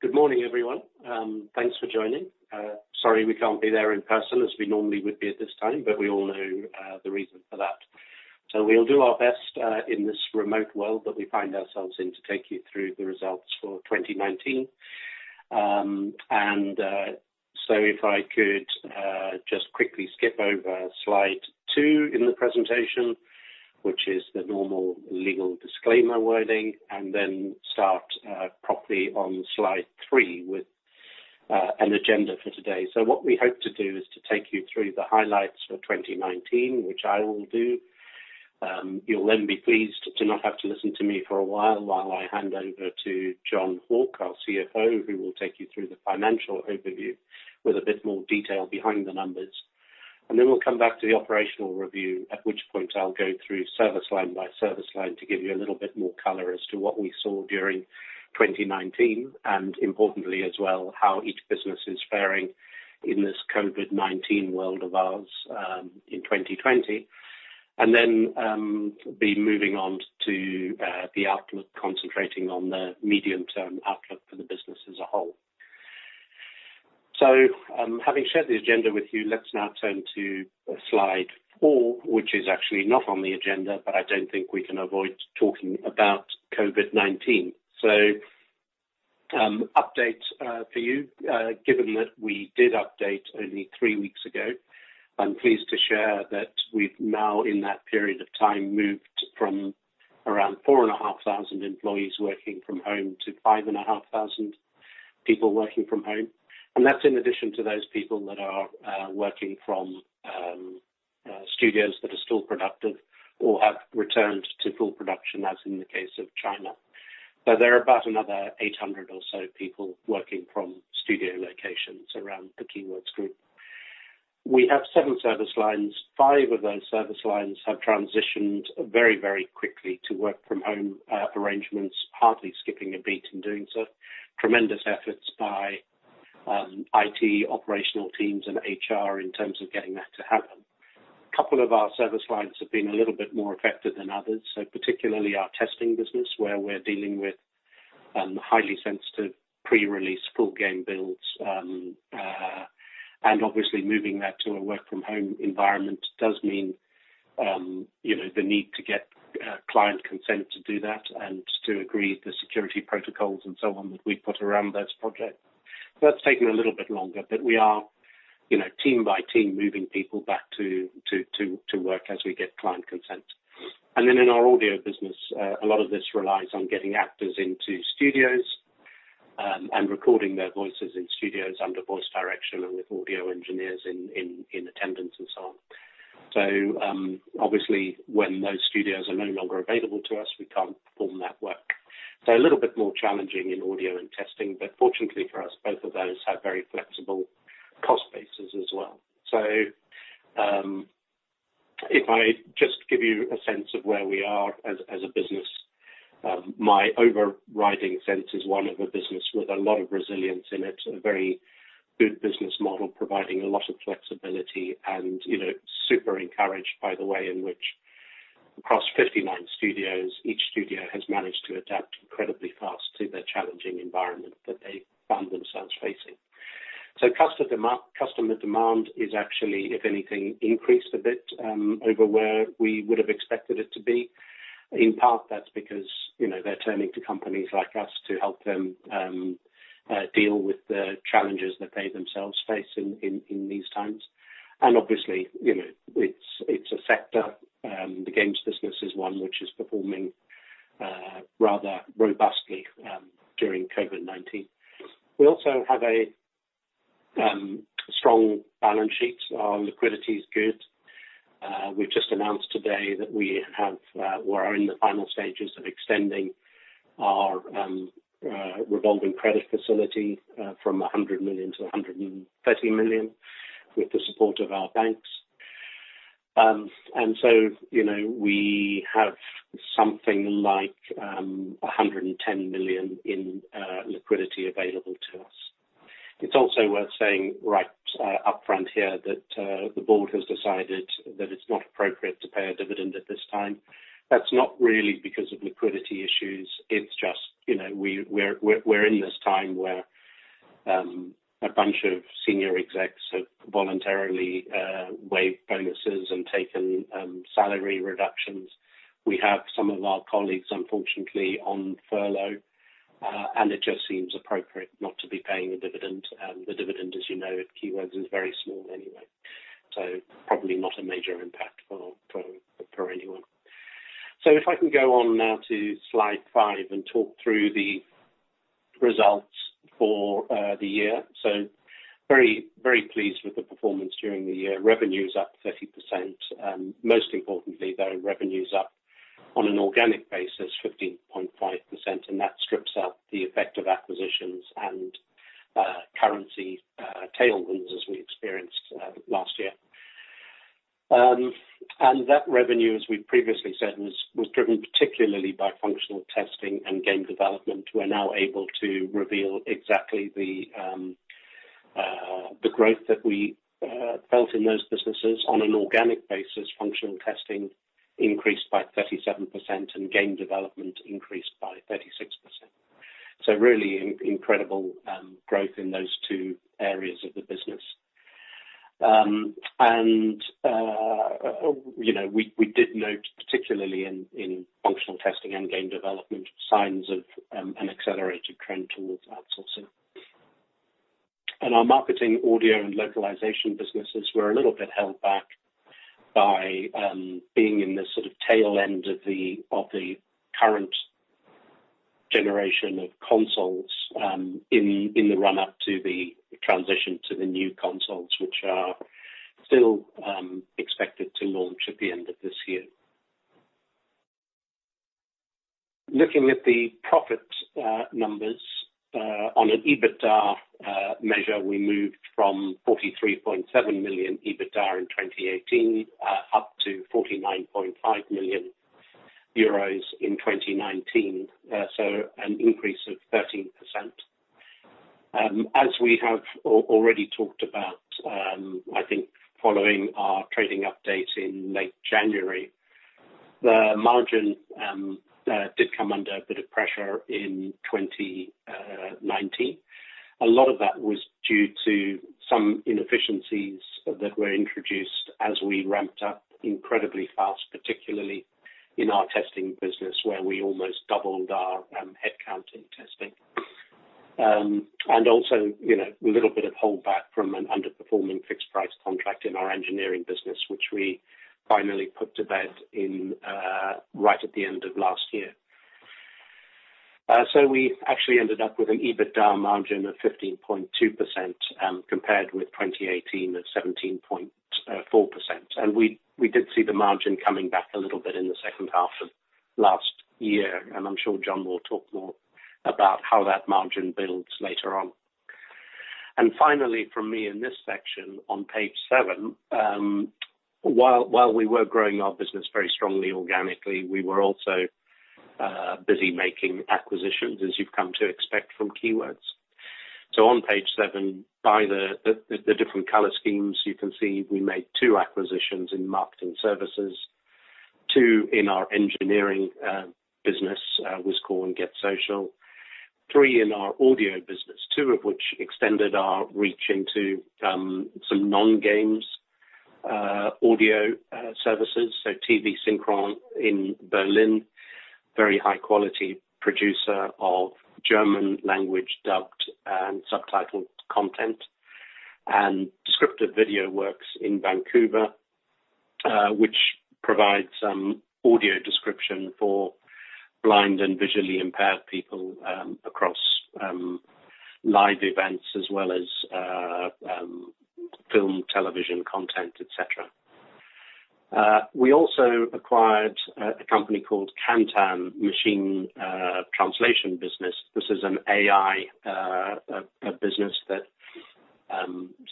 Good morning, everyone. Thanks for joining. Sorry we can't be there in person as we normally would be at this time, but we all know the reason for that. We'll do our best in this remote world that we find ourselves in to take you through the results for 2019. If I could just quickly skip over slide two in the presentation, which is the normal legal disclaimer wording, then start properly on slide three with an agenda for today. What we hope to do is to take you through the highlights for 2019, which I will do. You'll then be pleased to not have to listen to me for a while I hand over to Jon Hauck, our CFO, who will take you through the financial overview with a bit more detail behind the numbers. Then we'll come back to the operational review, at which point I'll go through service line by service line to give you a little bit more color as to what we saw during 2019, and importantly as well, how each business is faring in this COVID-19 world of ours in 2020. Then be moving on to the outlook, concentrating on the medium-term outlook for the business as a whole. Having shared the agenda with you, let's now turn to slide four, which is actually not on the agenda, but I don't think we can avoid talking about COVID-19. Update for you, given that we did update only three weeks ago, I'm pleased to share that we've now, in that period of time, moved from around 4,500 employees working from home to 5,500 people working from home. That's in addition to those people that are working from studios that are still productive or have returned to full production, as in the case of China. There are about another 800 or so people working from studio locations around the Keywords Group. We have seven service lines. Five of those service lines have transitioned very, very quickly to work from home arrangements, hardly skipping a beat in doing so. Tremendous efforts by IT, operational teams, and HR in terms of getting that to happen. A couple of our service lines have been a little bit more affected than others. Particularly our testing business, where we're dealing with highly sensitive pre-release full game builds. Obviously, moving that to a work-from-home environment does mean the need to get client consent to do that and to agree the security protocols and so on that we put around those projects. That's taken a little bit longer, but we are team by team, moving people back to work as we get client consent. Then in our audio business, a lot of this relies on getting actors into studios and recording their voices in studios under voice direction and with audio engineers in attendance and so on. Obviously, when those studios are no longer available to us, we can't perform that work. A little bit more challenging in audio and testing, but fortunately for us, both of those have very flexible cost bases as well. If I just give you a sense of where we are as a business, my overriding sense is one of a business with a lot of resilience in it, a very good business model, providing a lot of flexibility and super encouraged by the way in which across 59 studios, each studio has managed to adapt incredibly fast to the challenging environment that they found themselves facing. Customer demand is actually, if anything, increased a bit over where we would have expected it to be. In part that's because they're turning to companies like us to help them deal with the challenges that they themselves face in these times. Obviously, it's a sector. The games business is one which is performing rather robustly during COVID-19. We also have a strong balance sheet. Our liquidity is good. We've just announced today that we are in the final stages of extending our revolving credit facility from 100 million to 130 million with the support of our banks. We have something like 110 million in liquidity available to us. It's also worth saying right up front here that the board has decided that it's not appropriate to pay a dividend at this time. That's not really because of liquidity issues. It's just we're in this time where a bunch of senior execs have voluntarily waived bonuses and taken salary reductions. We have some of our colleagues, unfortunately, on furlough, and it just seems appropriate not to be paying a dividend. The dividend, as you know, at Keywords, is very small anyway, so probably not a major impact for anyone. If I can go on now to slide five and talk through the results for the year. Very pleased with the performance during the year. Revenue is up 30%, most importantly, though, revenue is up on an organic basis 15.5%, and that strips out the effect of acquisitions and currency tailwinds as we experienced last year. That revenue, as we previously said, was driven particularly by functional testing and game development. We're now able to reveal exactly the growth that we felt in those businesses on an organic basis, functional testing increased by 37% and game development increased by 36%. Really incredible growth in those two areas of the business. We did note, particularly in functional testing and game development, signs of an accelerated trend towards outsourcing. Our marketing audio and localization businesses were a little bit held back by being in the tail end of the current generation of consoles in the run-up to the transition to the new consoles, which are still expected to launch at the end of this year. Looking at the profit numbers. On an EBITDA measure, we moved from 43.7 million EBITDA in 2018, up to 49.5 million euros in 2019. An increase of 13%. As we have already talked about, I think following our trading update in late January, the margin did come under a bit of pressure in 2019. A lot of that was due to some inefficiencies that were introduced as we ramped up incredibly fast, particularly in our testing business, where we almost doubled our headcount in testing. A little bit of holdback from an underperforming fixed price contract in our engineering business, which we finally put to bed right at the end of last year. We actually ended up with an EBITDA margin of 15.2%, compared with 2018 at 17.4%. We did see the margin coming back a little bit in the second half of last year, and I'm sure Jon will talk more about how that margin builds later on. Finally, from me in this section on page seven. While we were growing our business very strongly organically, we were also busy making acquisitions, as you've come to expect from Keywords. On page seven, by the different color schemes, you can see we made two acquisitions in marketing services, two in our engineering business, Wizcorp and GetSocial, three in our audio business, two of which extended our reach into some non-games audio services. TV+Synchron in Berlin, very high quality producer of German language dubbed and subtitled content, and Descriptive Video Works in Vancouver, which provides audio description for blind and visually impaired people across live events as well as film, television content, et cetera. We also acquired a company called Kantan Machine Translation Business. This is an AI business that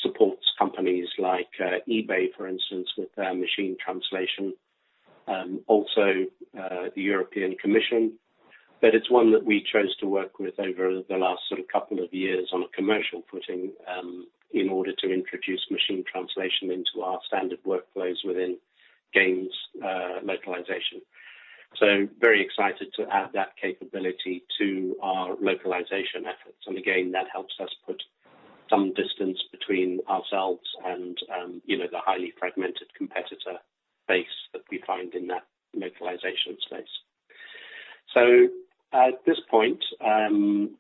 supports companies like eBay, for instance, with their machine translation. The European Commission. It's one that we chose to work with over the last couple of years on a commercial footing in order to introduce machine translation into our standard workflows within games localization. Very excited to add that capability to our localization efforts. Again, that helps us put some distance between ourselves and the highly fragmented competitor base that we find in that localization space. At this point,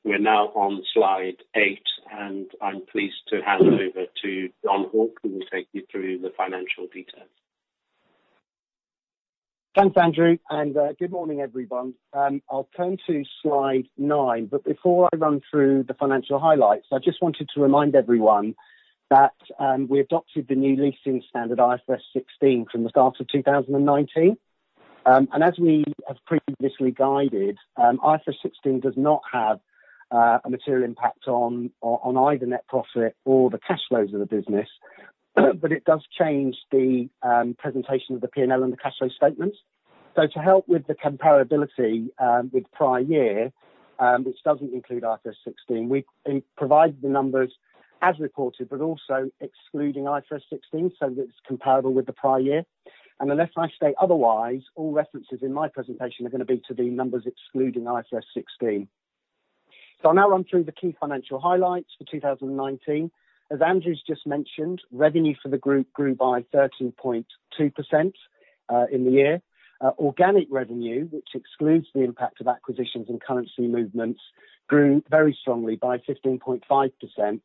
we are now on slide eight, and I am pleased to hand over to Jon Hauck, who will take you through the financial details. Thanks, Andrew. Good morning, everyone. I'll turn to slide nine. Before I run through the financial highlights, I just wanted to remind everyone that we adopted the new leasing standard, IFRS 16, from the start of 2019. As we have previously guided, IFRS 16 does not have a material impact on either net profit or the cash flows of the business, but it does change the presentation of the P&L and the cash flow statements. To help with the comparability with prior year, which doesn't include IFRS 16, we provide the numbers as reported, but also excluding IFRS 16, so that it's comparable with the prior year. Unless I state otherwise, all references in my presentation are going to be to the numbers excluding IFRS 16. I'll now run through the key financial highlights for 2019. As Andrew's just mentioned, revenue for the group grew by 13.2% in the year. Organic revenue, which excludes the impact of acquisitions and currency movements, grew very strongly by 15.5%,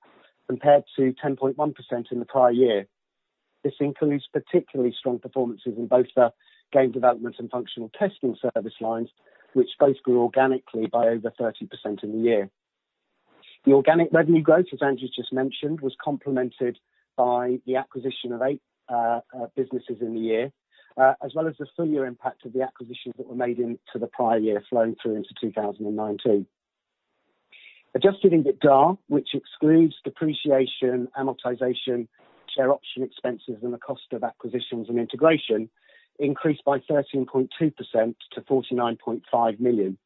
compared to 10.1% in the prior year. This includes particularly strong performances in both the game development and functional testing service lines, which both grew organically by over 30% in the year. The organic revenue growth, as Andrew's just mentioned, was complemented by the acquisition of eight businesses in the year, as well as the full year impact of the acquisitions that were made into the prior year flowing through into 2019. Adjusted EBITDA, which excludes depreciation, amortization, share option expenses, and the cost of acquisitions and integration, increased by 13.2% to 49.5 million.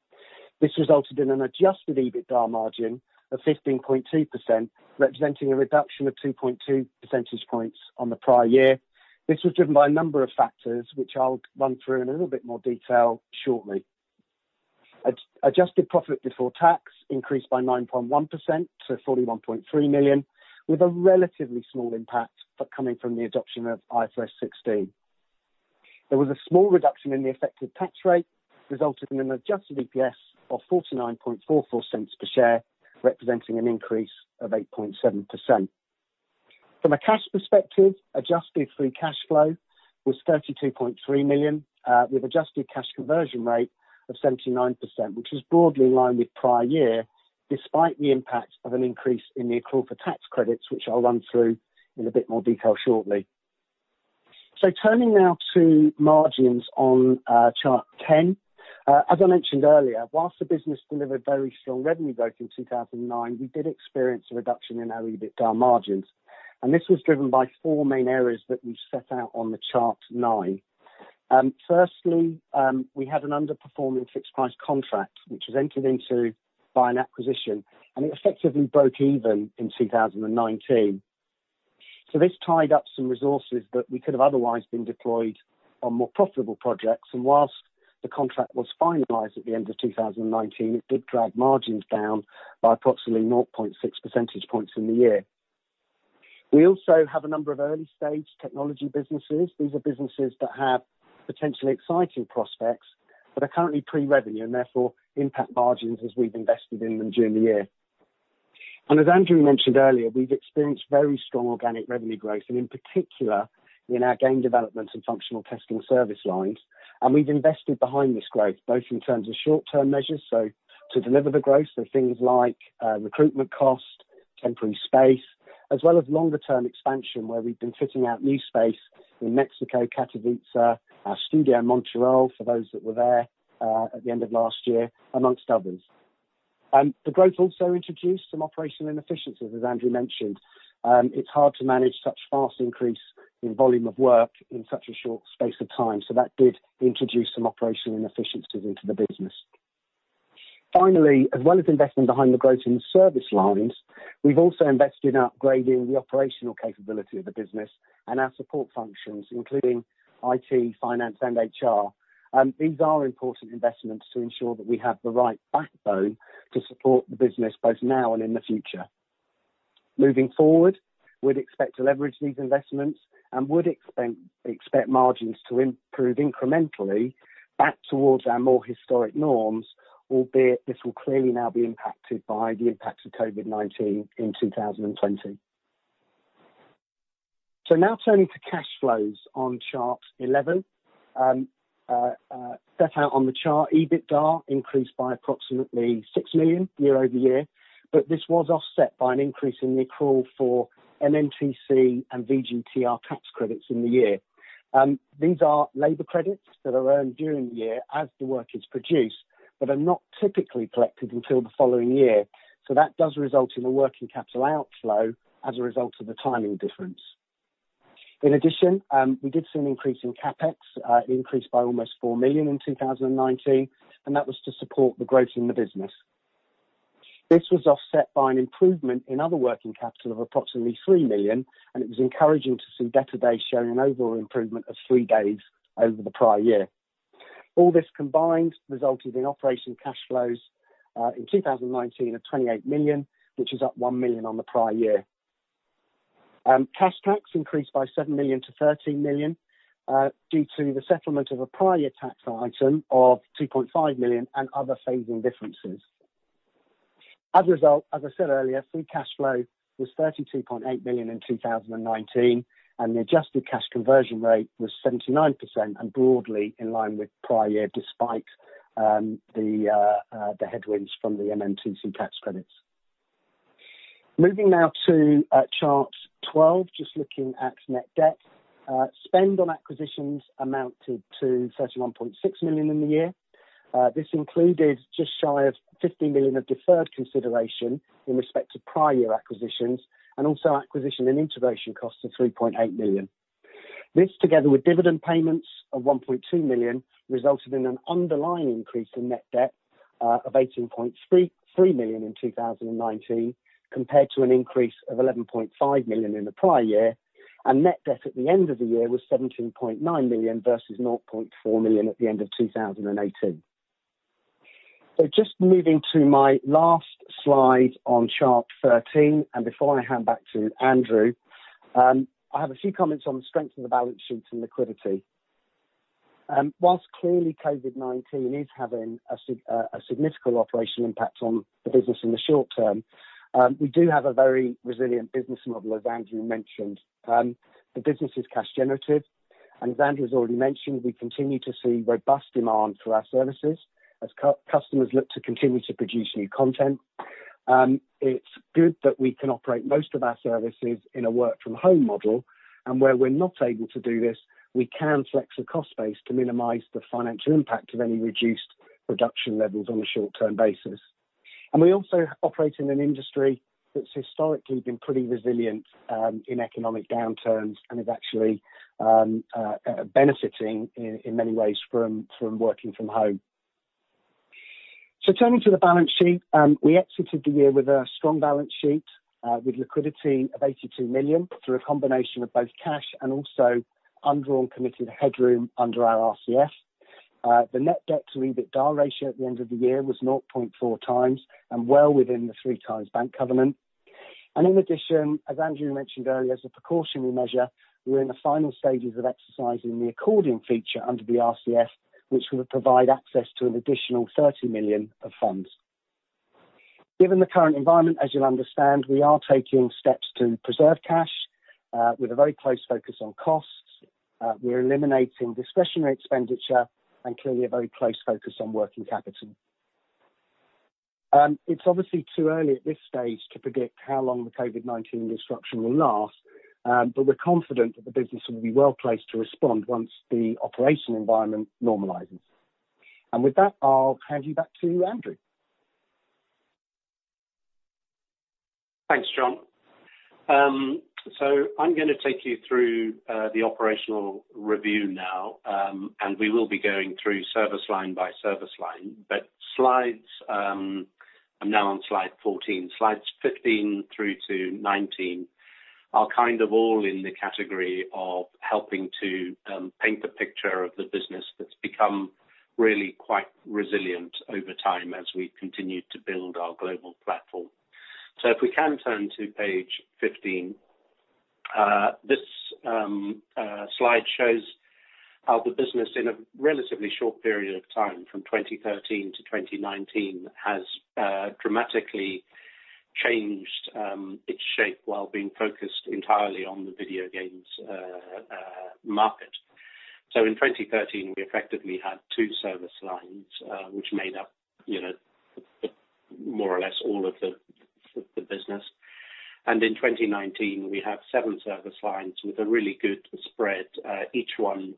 This resulted in an adjusted EBITDA margin of 15.2%, representing a reduction of 2.2 percentage points on the prior year. This was driven by a number of factors, which I'll run through in a little bit more detail shortly. Adjusted profit before tax increased by 9.1% to 41.3 million, with a relatively small impact coming from the adoption of IFRS 16. There was a small reduction in the effective tax rate, resulting in an adjusted EPS of 0.4944 per share, representing an increase of 8.7%. From a cash perspective, adjusted free cash flow was 32.3 million, with adjusted cash conversion rate of 79%, which was broadly in line with prior year, despite the impact of an increase in the accrual for tax credits, which I'll run through in a bit more detail shortly. Turning now to margins on chart 10. As I mentioned earlier, whilst the business delivered very strong revenue growth in 2019, we did experience a reduction in our EBITDA margins. This was driven by four main areas that we've set out on the chart nine. Firstly, we had an underperforming fixed-price contract which was entered into by an acquisition. It effectively broke even in 2019. This tied up some resources that we could have otherwise been deployed on more profitable projects. Whilst the contract was finalized at the end of 2019, it did drag margins down by approximately 0.6 percentage points in the year. We also have a number of early-stage technology businesses. These are businesses that have potentially exciting prospects but are currently pre-revenue and therefore impact margins as we've invested in them during the year. As Andrew mentioned earlier, we've experienced very strong organic revenue growth and in particular in our game development and functional testing service lines. We've invested behind this growth both in terms of short-term measures to deliver the growth. Things like recruitment cost, temporary space, as well as longer-term expansion where we've been fitting out new space in Mexico, Katowice, our studio in Montreal, for those that were there at the end of last year, amongst others. The growth also introduced some operational inefficiencies, as Andrew mentioned. It's hard to manage such fast increase in volume of work in such a short space of time. That did introduce some operational inefficiencies into the business. Finally, as well as investing behind the growth in the service lines, we've also invested in upgrading the operational capability of the business and our support functions, including IT, finance and HR. These are important investments to ensure that we have the right backbone to support the business both now and in the future. Moving forward, we'd expect to leverage these investments and would expect margins to improve incrementally back towards our more historic norms. Albeit this will clearly now be impacted by the impacts of COVID-19 in 2020. Now turning to cash flows on chart 11. Set out on the chart, EBITDA increased by approximately 6 million year-over-year, but this was offset by an increase in the accrual for MMTC and VGTR tax credits in the year. These are labor credits that are earned during the year as the work is produced but are not typically collected until the following year. That does result in a working capital outflow as a result of the timing difference. In addition, we did see an increase in CapEx. It increased by almost 4 million in 2019, and that was to support the growth in the business. This was offset by an improvement in other working capital of approximately 3 million, and it was encouraging to see debtor days showing an overall improvement of three days over the prior year. All this combined resulted in operation cash flows in 2019 of 28 million, which is up 1 million on the prior year. Cash tax increased by 7 million to 13 million due to the settlement of a prior year tax item of 2.5 million and other phasing differences. As a result, as I said earlier, free cash flow was 32.8 million in 2019, and the adjusted cash conversion rate was 79% and broadly in line with prior year despite the headwinds from the MMTC tax credits. Moving now to chart 12, just looking at net debt. Spend on acquisitions amounted to 31.6 million in the year. This included just shy of 15 million of deferred consideration in respect to prior year acquisitions and also acquisition and integration costs of 3.8 million. This, together with dividend payments of 1.2 million, resulted in an underlying increase in net debt of 18.3 million in 2019, compared to an increase of 11.5 million in the prior year. Net debt at the end of the year was 17.9 million versus 0.4 million at the end of 2018. Just moving to my last slide on chart 13, and before I hand back to Andrew, I have a few comments on the strength of the balance sheets and liquidity. While clearly COVID-19 is having a significant operational impact on the business in the short term, we do have a very resilient business model, as Andrew mentioned. The business is cash generative. As Andrew has already mentioned, we continue to see robust demand for our services as customers look to continue to produce new content. It's good that we can operate most of our services in a work-from-home model, and where we're not able to do this, we can flex the cost base to minimize the financial impact of any reduced production levels on a short-term basis. We also operate in an industry that's historically been pretty resilient in economic downturns and is actually benefiting in many ways from working from home. Turning to the balance sheet, we exited the year with a strong balance sheet, with liquidity of 82 million through a combination of both cash and also undrawn committed headroom under our RCF. The net debt to EBITDA ratio at the end of the year was 0.4x and well within the three times bank covenant. In addition, as Andrew mentioned earlier, as a precautionary measure, we're in the final stages of exercising the accordion feature under the RCF, which will provide access to an additional 30 million of funds. Given the current environment, as you'll understand, we are taking steps to preserve cash, with a very close focus on costs. We're eliminating discretionary expenditure and clearly a very close focus on working capital. It's obviously too early at this stage to predict how long the COVID-19 disruption will last, but we're confident that the business will be well-placed to respond once the operational environment normalizes. With that, I'll hand you back to Andrew. Thanks, Jon. I'm going to take you through the operational review now, and we will be going through service line by service line. I'm now on slide 14. Slides 15 through to 19 are kind of all in the category of helping to paint the picture of the business that's become really quite resilient over time as we continue to build our global platform. If we can turn to page 15, this slide shows how the business, in a relatively short period of time from 2013 to 2019, has dramatically changed its shape while being focused entirely on the video games market. In 2013, we effectively had two service lines, which made up more or less all of the business. In 2019, we have seven service lines with a really good spread, each one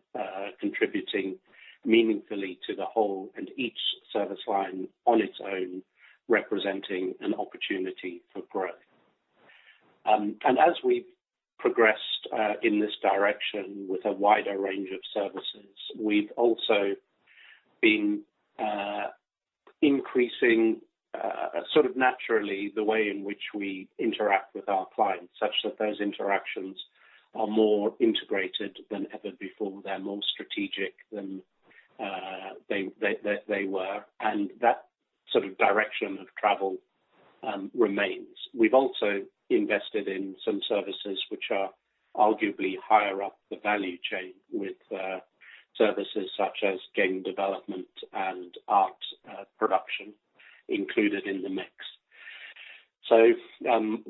contributing meaningfully to the whole, and each service line on its own representing an opportunity for growth. As we've progressed in this direction with a wider range of services, we've also been increasing sort of naturally the way in which we interact with our clients, such that those interactions are more integrated than ever before. They're more strategic than they were, and that sort of direction of travel remains. We've also invested in some services which are arguably higher up the value chain with services such as game development and art production included in the mix.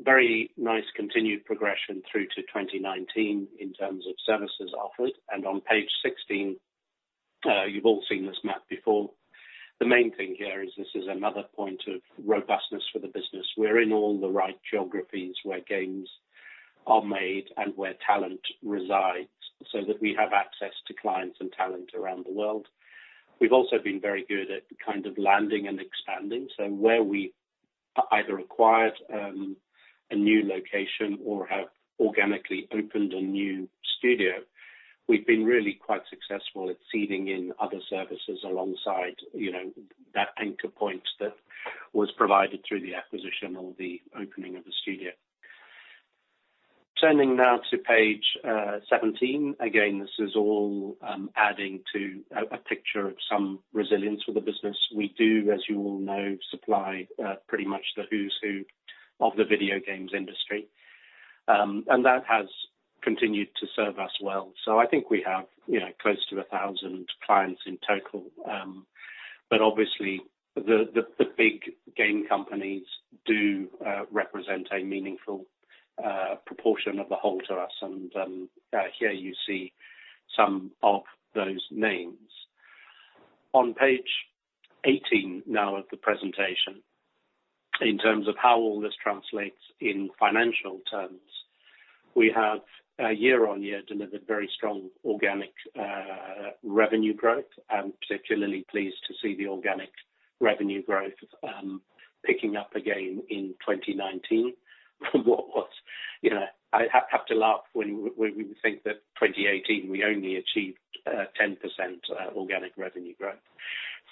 Very nice continued progression through to 2019 in terms of services offered. On page 16, you've all seen this map before. The main thing here is this is another point of robustness for the business. We're in all the right geographies where games are made and where talent resides, so that we have access to clients and talent around the world. We've also been very good at kind of landing and expanding. Where we either acquired a new location or have organically opened a new studio, we've been really quite successful at seeding in other services alongside that anchor point that was provided through the acquisition or the opening of a studio. Turning now to page 17. Again, this is all adding to a picture of some resilience for the business. We do, as you all know, supply pretty much the who's who of the video games industry, and that has continued to serve us well. I think we have close to 1,000 clients in total. Obviously, the big game companies do represent a meaningful proportion of the whole to us, and here you see some of those names. On page 18 now of the presentation, in terms of how all this translates in financial terms, we have year-on-year delivered very strong organic revenue growth. I'm particularly pleased to see the organic revenue growth picking up again in 2019. I have to laugh when we think that 2018, we only achieved 10% organic revenue growth.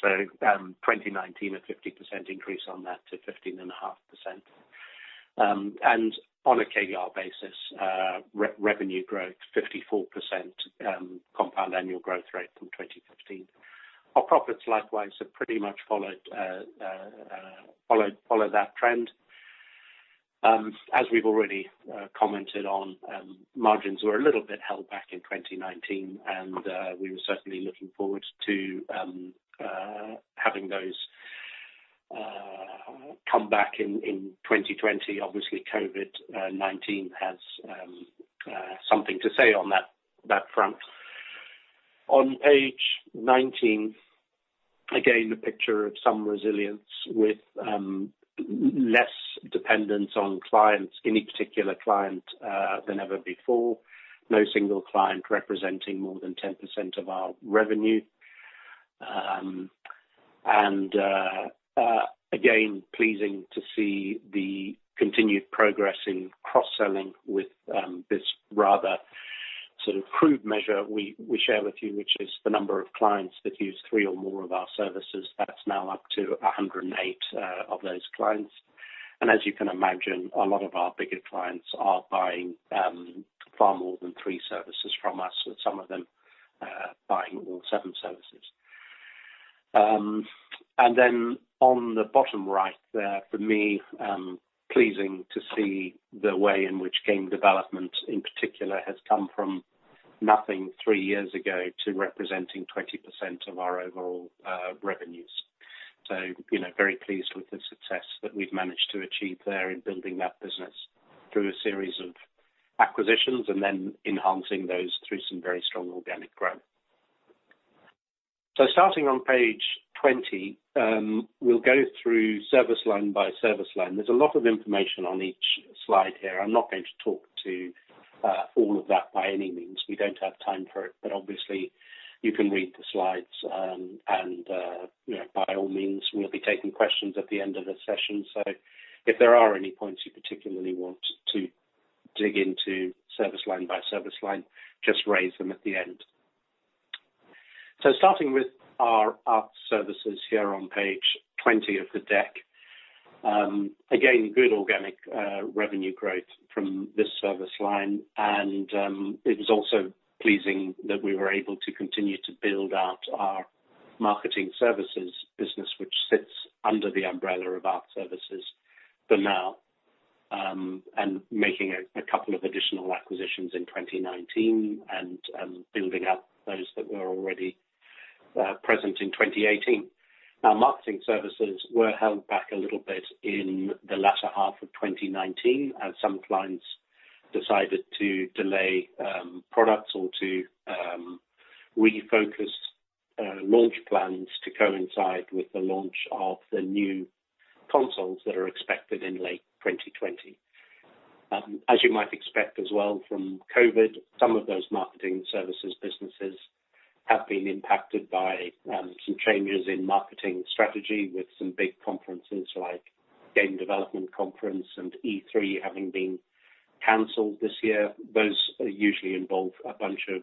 2019, a 50% increase on that to 15.5%. On a CAGR basis, revenue growth 54% compound annual growth rate from 2015. Our profits, likewise, have pretty much followed that trend. As we've already commented on, margins were a little bit held back in 2019, and we were certainly looking forward to having those come back in 2020. Obviously, COVID-19 has something to say on that front. On page 19, again, the picture of some resilience with less dependence on any particular client than ever before. No single client representing more than 10% of our revenue. Again, pleasing to see the continued progress in cross-selling with this rather crude measure we share with you, which is the number of clients that use three or more of our services. That's now up to 108 of those clients. As you can imagine, a lot of our bigger clients are buying far more than 3 services from us, with some of them buying all seven services. On the bottom right there, for me, pleasing to see the way in which game development, in particular, has come from nothing three years ago to representing 20% of our overall revenues. Very pleased with the success that we've managed to achieve there in building that business through a series of acquisitions and then enhancing those through some very strong organic growth. Starting on page 20, we'll go through service line by service line. There's a lot of information on each slide here. I'm not going to talk to all of that by any means. We don't have time for it, but obviously you can read the slides, and by all means, we'll be taking questions at the end of the session. If there are any points you particularly want to dig into service line by service line, just raise them at the end. Starting with our art services here on page 20 of the deck. Again, good organic revenue growth from this service line. It was also pleasing that we were able to continue to build out our marketing services business, which sits under the umbrella of art services for now, and making a couple of additional acquisitions in 2019 and building out those that were already present in 2018. Marketing services were held back a little bit in the latter half of 2019 as some clients decided to delay products or to refocus launch plans to coincide with the launch of the new consoles that are expected in late 2020. As you might expect as well from COVID, some of those marketing services businesses have been impacted by some changes in marketing strategy, with some big conferences like Game Developers Conference and E3 having been canceled this year. Those usually involve a bunch of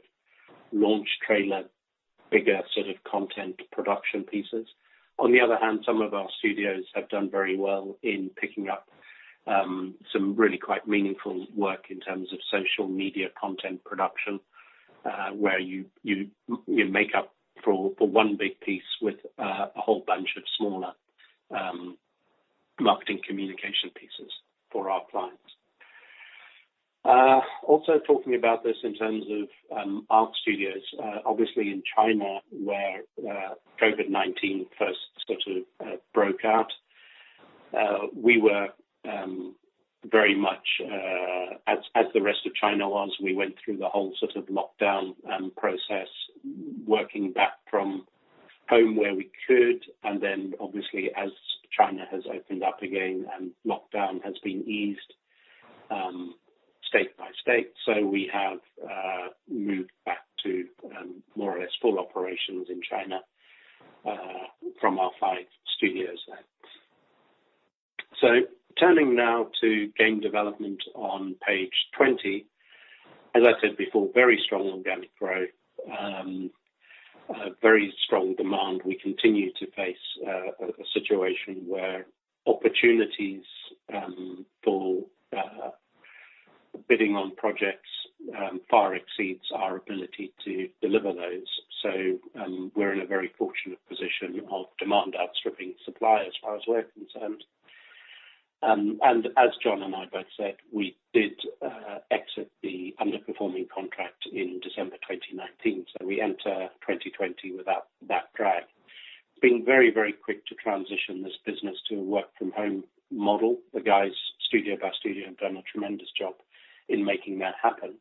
launch trailer, bigger sort of content production pieces. On the other hand, some of our studios have done very well in picking up some really quite meaningful work in terms of social media content production, where you make up for one big piece with a whole bunch of smaller marketing communication pieces for our clients. Also talking about this in terms of art studios, obviously in China, where COVID-19 first sort of broke out, we were very much as the rest of China was, we went through the whole sort of lockdown process, working back from home where we could, and then obviously as China has opened up again and lockdown has been eased state by state. We have moved back to more or less full operations in China from our five studios there. Turning now to game development on page 20. As I said before, very strong organic growth. Very strong demand. We continue to face a situation where opportunities for bidding on projects far exceeds our ability to deliver those. We're in a very fortunate position of demand outstripping supply as far as we're concerned. As Jon and I both said, we did exit the underperforming contract in December 2019. We enter 2020 without that drag. Being very quick to transition this business to a work from home model. The guys, studio by studio, have done a tremendous job in making that happen.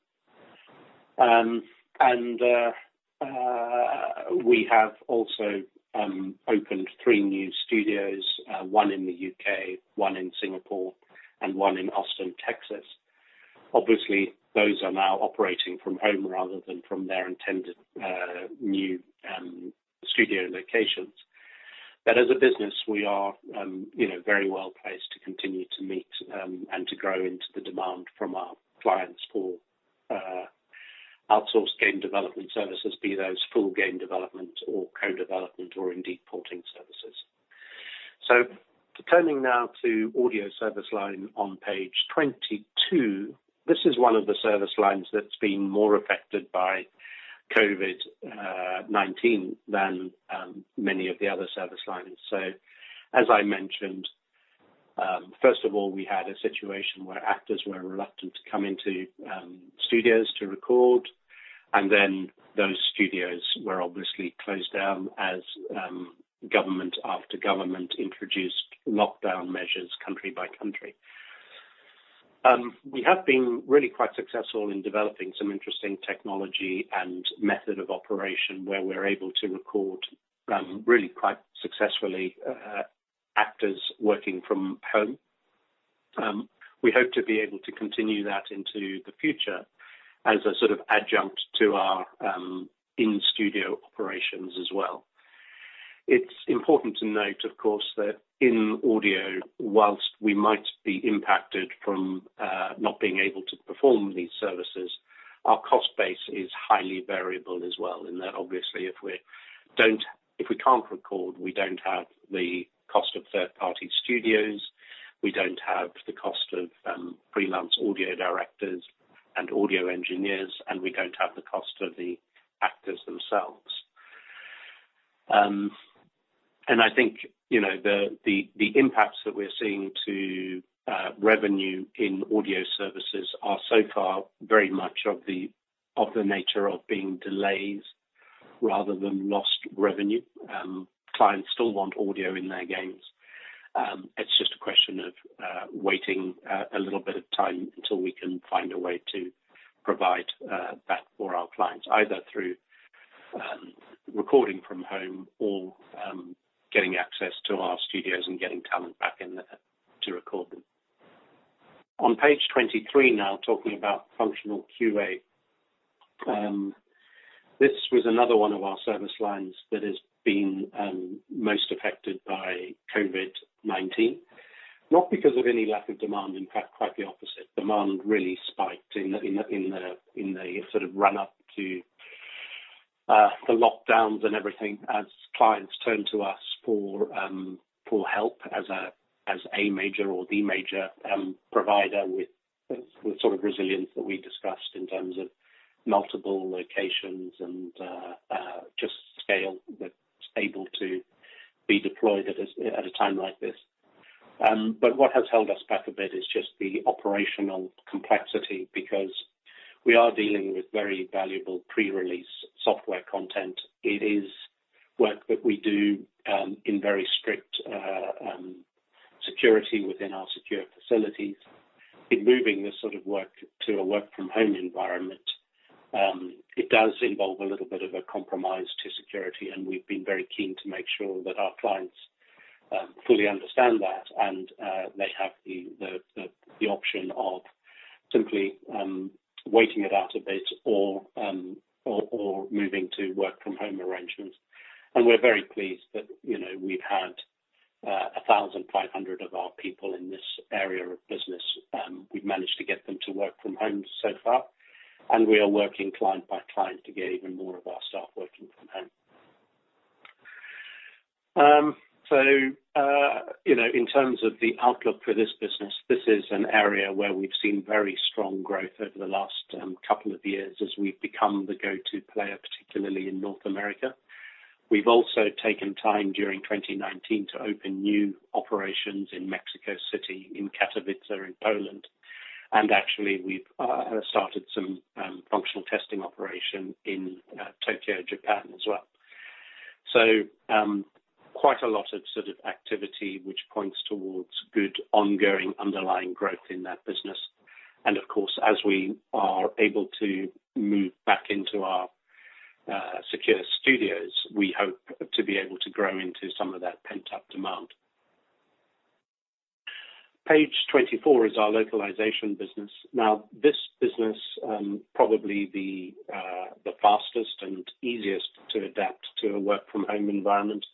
We have also opened three new studios, one in the U.K., one in Singapore, and one in Austin, Texas. Obviously, those are now operating from home rather than from their intended new studio locations. As a business, we are very well placed to continue to meet and to grow into the demand from our clients for outsourced game development services, be those full game development or co-development or indeed porting services. Turning now to audio service line on page 22. This is one of the service lines that's been more affected by COVID-19 than many of the other service lines. As I mentioned, first of all, we had a situation where actors were reluctant to come into studios to record, and then those studios were obviously closed down as government after government introduced lockdown measures country by country. We have been really quite successful in developing some interesting technology and method of operation where we're able to record really quite successfully actors working from home. We hope to be able to continue that into the future as a sort of adjunct to our in-studio operations as well. It's important to note, of course, that in audio, while we might be impacted from not being able to perform these services, our cost base is highly variable as well, in that obviously, if we can't record, we don't have the cost of third-party studios, we don't have the cost of freelance audio directors and audio engineers, and we don't have the cost of the actors themselves. I think the impacts that we're seeing to revenue in audio services are so far very much of the nature of being delays rather than lost revenue. Clients still want audio in their games. It's just a question of waiting a little bit of time until we can find a way to provide that for our clients, either through recording from home or getting access to our studios and getting talent back in there to record them. On page 23 now, talking about functional QA. This was another one of our service lines that has been most affected by COVID-19, not because of any lack of demand. In fact, quite the opposite. Demand really spiked in the run-up to the lockdowns and everything as clients turned to us for help as a major or the major provider with the sort of resilience that we discussed in terms of multiple locations and just scale that's able to be deployed at a time like this. What has held us back a bit is just the operational complexity, because we are dealing with very valuable pre-release software content. It is work that we do in very strict security within our secure facilities. In moving this sort of work to a work-from-home environment, it does involve a little bit of a compromise to security, and we've been very keen to make sure that our clients fully understand that and they have the option of simply waiting it out a bit or moving to work-from-home arrangements. We're very pleased that we've had 1,500 of our people in this area of business. We've managed to get them to work from home so far, and we are working client by client to get even more of our staff working from home. In terms of the outlook for this business, this is an area where we've seen very strong growth over the last couple of years as we've become the go-to player, particularly in North America. We've also taken time during 2019 to open new operations in Mexico City, in Katowice in Poland, and actually we've started some functional testing operation in Tokyo, Japan as well. Quite a lot of activity which points towards good ongoing underlying growth in that business. Of course, as we are able to move back into our secure studios, we hope to be able to grow into some of that pent-up demand. Page 24 is our localization business. This business probably the fastest and easiest to adapt to a work-from-home environment.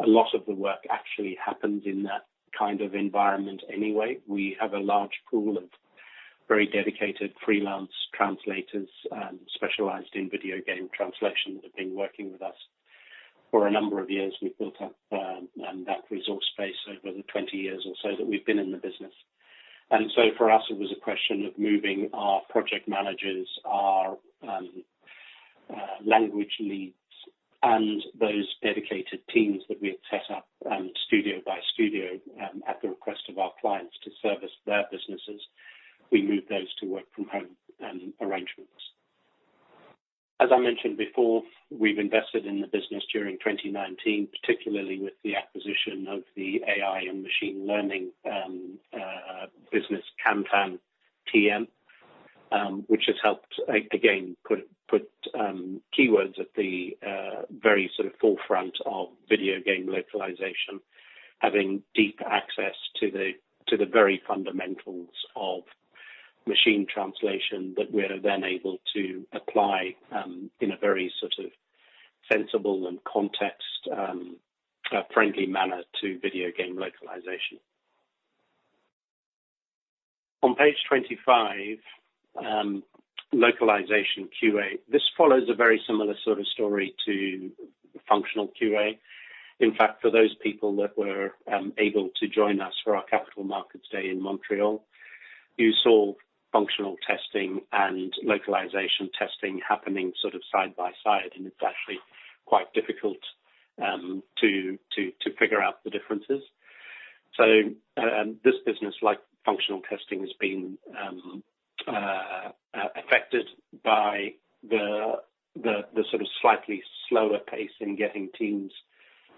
A lot of the work actually happens in that kind of environment anyway. We have a large pool of very dedicated freelance translators specialized in video game translation that have been working with us for a number of years. We've built up that resource base over the 20 years or so that we've been in the business. For us, it was a question of moving our project managers, our language leads, and those dedicated teams that we had set up studio by studio at the request of our clients to service their businesses. We moved those to work-from-home arrangements. As I mentioned before, we've invested in the business during 2019, particularly with the acquisition of the AI and machine learning business, KantanMT, which has helped again put Keywords at the very sort of forefront of video game localization, having deep access to the very fundamentals of machine translation that we are then able to apply in a very sort of sensible and context-friendly manner to video game localization. On page 25, localization QA. This follows a very similar sort of story to the functional QA. In fact, for those people that were able to join us for our Capital Markets Day in Montreal, you saw functional testing and localization testing happening sort of side by side, and it's actually quite difficult to figure out the differences. This business, like functional testing, has been the slightly slower pace in getting teams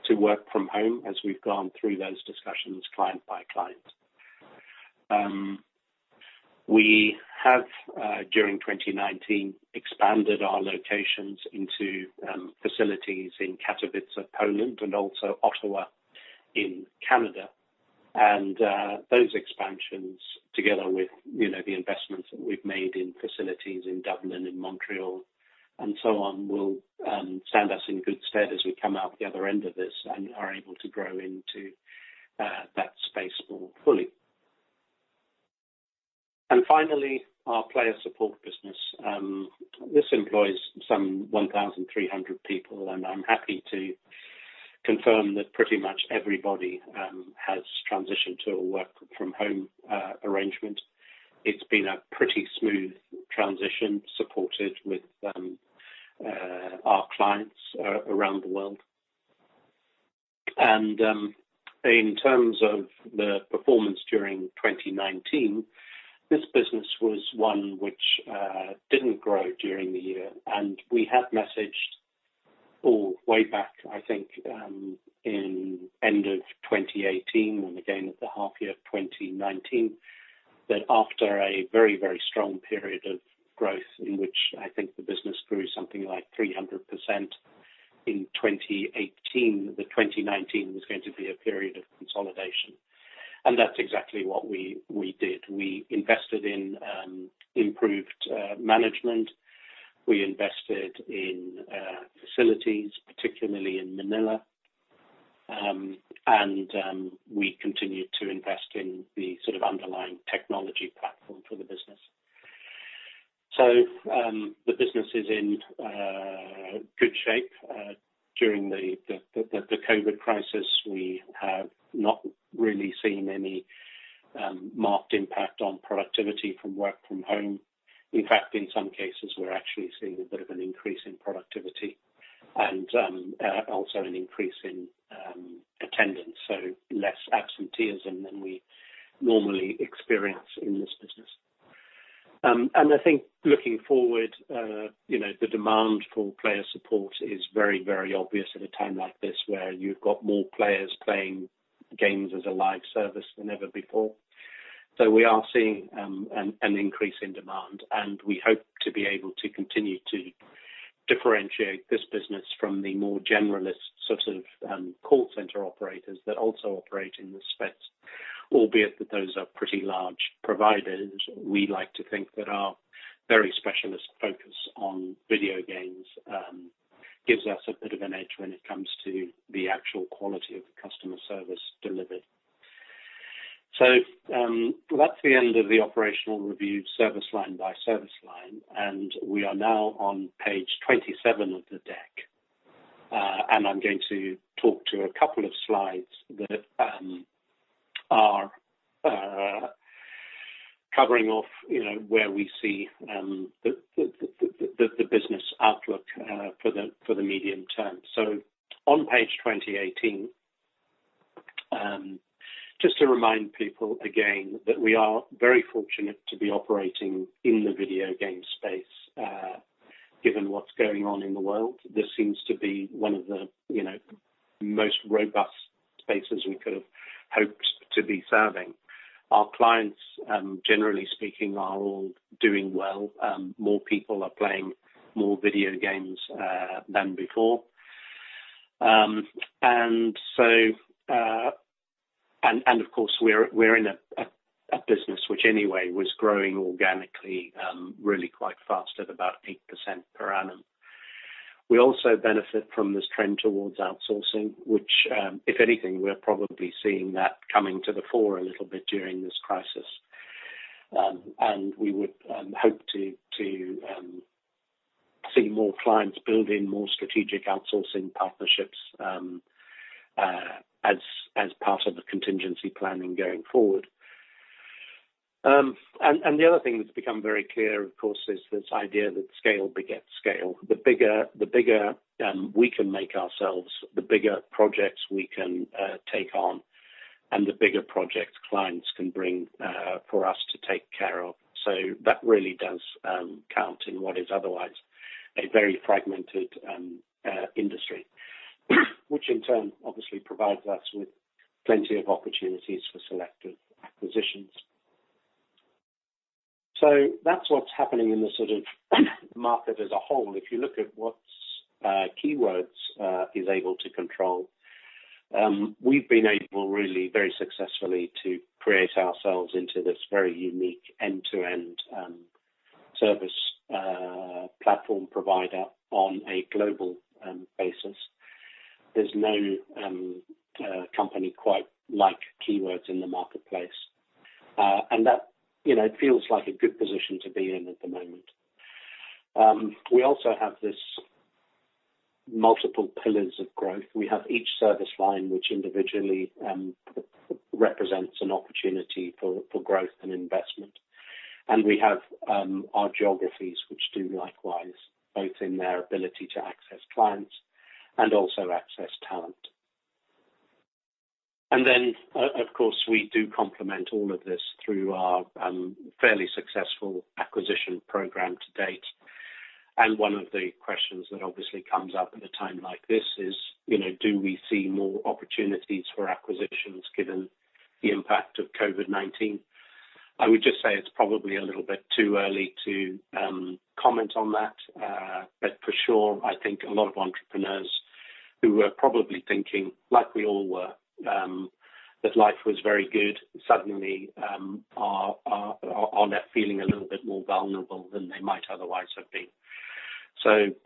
to work from home as we've gone through those discussions client by client. We have, during 2019, expanded our locations into facilities in Katowice, Poland, and also Ottawa in Canada. Those expansions, together with the investments that we've made in facilities in Dublin and Montreal and so on, will stand us in good stead as we come out the other end of this and are able to grow into that space more fully. Finally, our player support business. This employs some 1,300 people, and I'm happy to confirm that pretty much everybody has transitioned to a work from home arrangement. It's been a pretty smooth transition, supported with our clients around the world. In terms of the performance during 2019, this business was one which didn't grow during the year, and we had messaged all the way back, I think, in end of 2018 and again at the half year of 2019, that after a very very strong period of growth in which I think the business grew something like 300% in 2018, that 2019 was going to be a period of consolidation. That's exactly what we did. We invested in improved management, we invested in facilities, particularly in Manila, and we continued to invest in the underlying technology platform for the business. The business is in good shape. During the COVID-19 crisis we have not really seen any marked impact on productivity from work from home. In fact, in some cases, we're actually seeing a bit of an increase in productivity and also an increase in attendance, so less absenteeism than we normally experience in this business. I think looking forward, the demand for player support is very, very obvious at a time like this where you've got more players playing games as a live service than ever before. We are seeing an increase in demand, and we hope to be able to continue to differentiate this business from the more generalist sort of call center operators that also operate in the space. Albeit that those are pretty large providers, we like to think that our very specialist focus on video games gives us a bit of an edge when it comes to the actual quality of the customer service delivered. That's the end of the operational review, service line by service line. We are now on page 27 of the deck. I'm going to talk to a couple of slides that are covering off where we see the business outlook for the medium term. On page 28, just to remind people again that we are very fortunate to be operating in the video game space. Given what's going on in the world, this seems to be one of the most robust spaces we could have hoped to be serving. Our clients, generally speaking, are all doing well. More people are playing more video games than before. Of course, we're in a business which anyway was growing organically really quite fast at about 8% per annum. We also benefit from this trend towards outsourcing, which if anything, we're probably seeing that coming to the fore a little bit during this crisis. We would hope to see more clients building more strategic outsourcing partnerships as part of the contingency planning going forward. The other thing that's become very clear, of course, is this idea that scale begets scale. The bigger we can make ourselves, the bigger projects we can take on, and the bigger projects clients can bring for us to take care of. That really does count in what is otherwise a very fragmented industry. Which in turn obviously provides us with plenty of opportunities for selective acquisitions. That's what's happening in the sort of market as a whole. If you look at what Keywords is able to control, we've been able really very successfully to create ourselves into this very unique end-to-end service platform provider on a global basis. There's no company quite like Keywords in the marketplace. That feels like a good position to be in at the moment. We also have this multiple pillars of growth. We have each service line which individually represents an opportunity for growth and investment. We have our geographies which do likewise, both in their ability to access clients and also access talent. Of course, we do complement all of this through our fairly successful acquisition program to date. One of the questions that obviously comes up at a time like this is, do we see more opportunities for acquisitions given the impact of COVID-19? I would just say it's probably a little bit too early to comment on that. For sure, I think a lot of entrepreneurs who were probably thinking, like we all were, that life was very good, suddenly are now feeling a little bit more vulnerable than they might otherwise have been.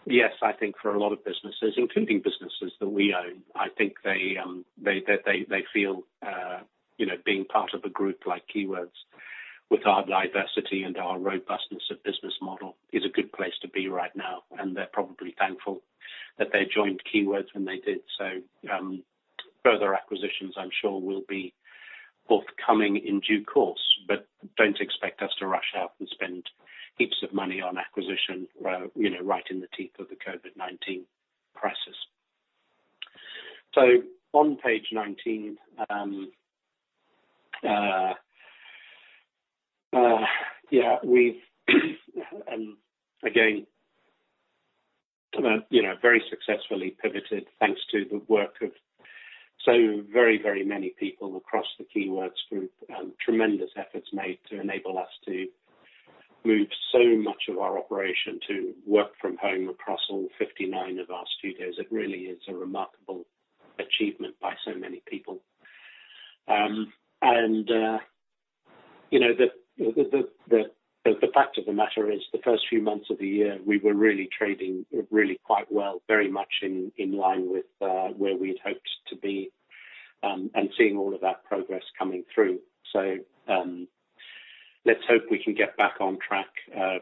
Yes, I think for a lot of businesses, including businesses that we own, I think they feel being part of a group like Keywords with our diversity and our robustness of business model is a good place to be right now, and they're probably thankful that they joined Keywords when they did. Further acquisitions I'm sure will be forthcoming in due course, but don't expect us to rush out and spend heaps of money on acquisition right in the teeth of the COVID-19 crisis. On page 19, we've again very successfully pivoted thanks to the work of so very, very many people across the Keywords group. Tremendous efforts made to enable us to move so much of our operation to work from home across all 59 of our studios. It really is a remarkable achievement by so many people. The fact of the matter is, the first few months of the year, we were really trading really quite well, very much in line with where we had hoped to be, and seeing all of that progress coming through. Let's hope we can get back on track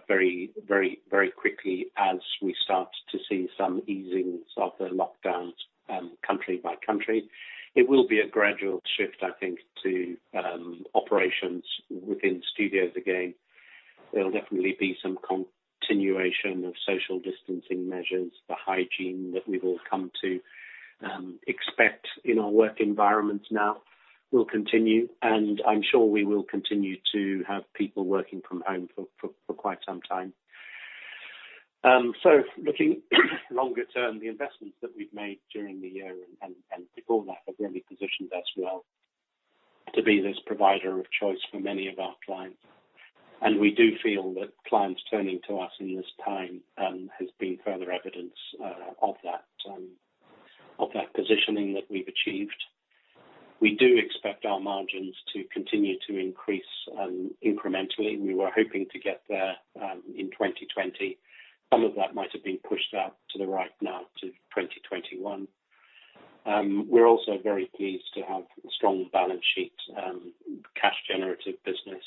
very quickly as we start to see some easings of the lockdowns country by country. It will be a gradual shift, I think, to operations within studios again. There will definitely be some continuation of social distancing measures. The hygiene that we've all come to expect in our work environments now will continue, and I'm sure we will continue to have people working from home for quite some time. Looking longer term, the investments that we've made during the year and before that have really positioned us well to be this provider of choice for many of our clients. We do feel that clients turning to us in this time has been further evidence of that positioning that we've achieved. We do expect our margins to continue to increase incrementally. We were hoping to get there in 2020. Some of that might have been pushed out to the right now to 2021. We're also very pleased to have a strong balance sheet, cash generative business,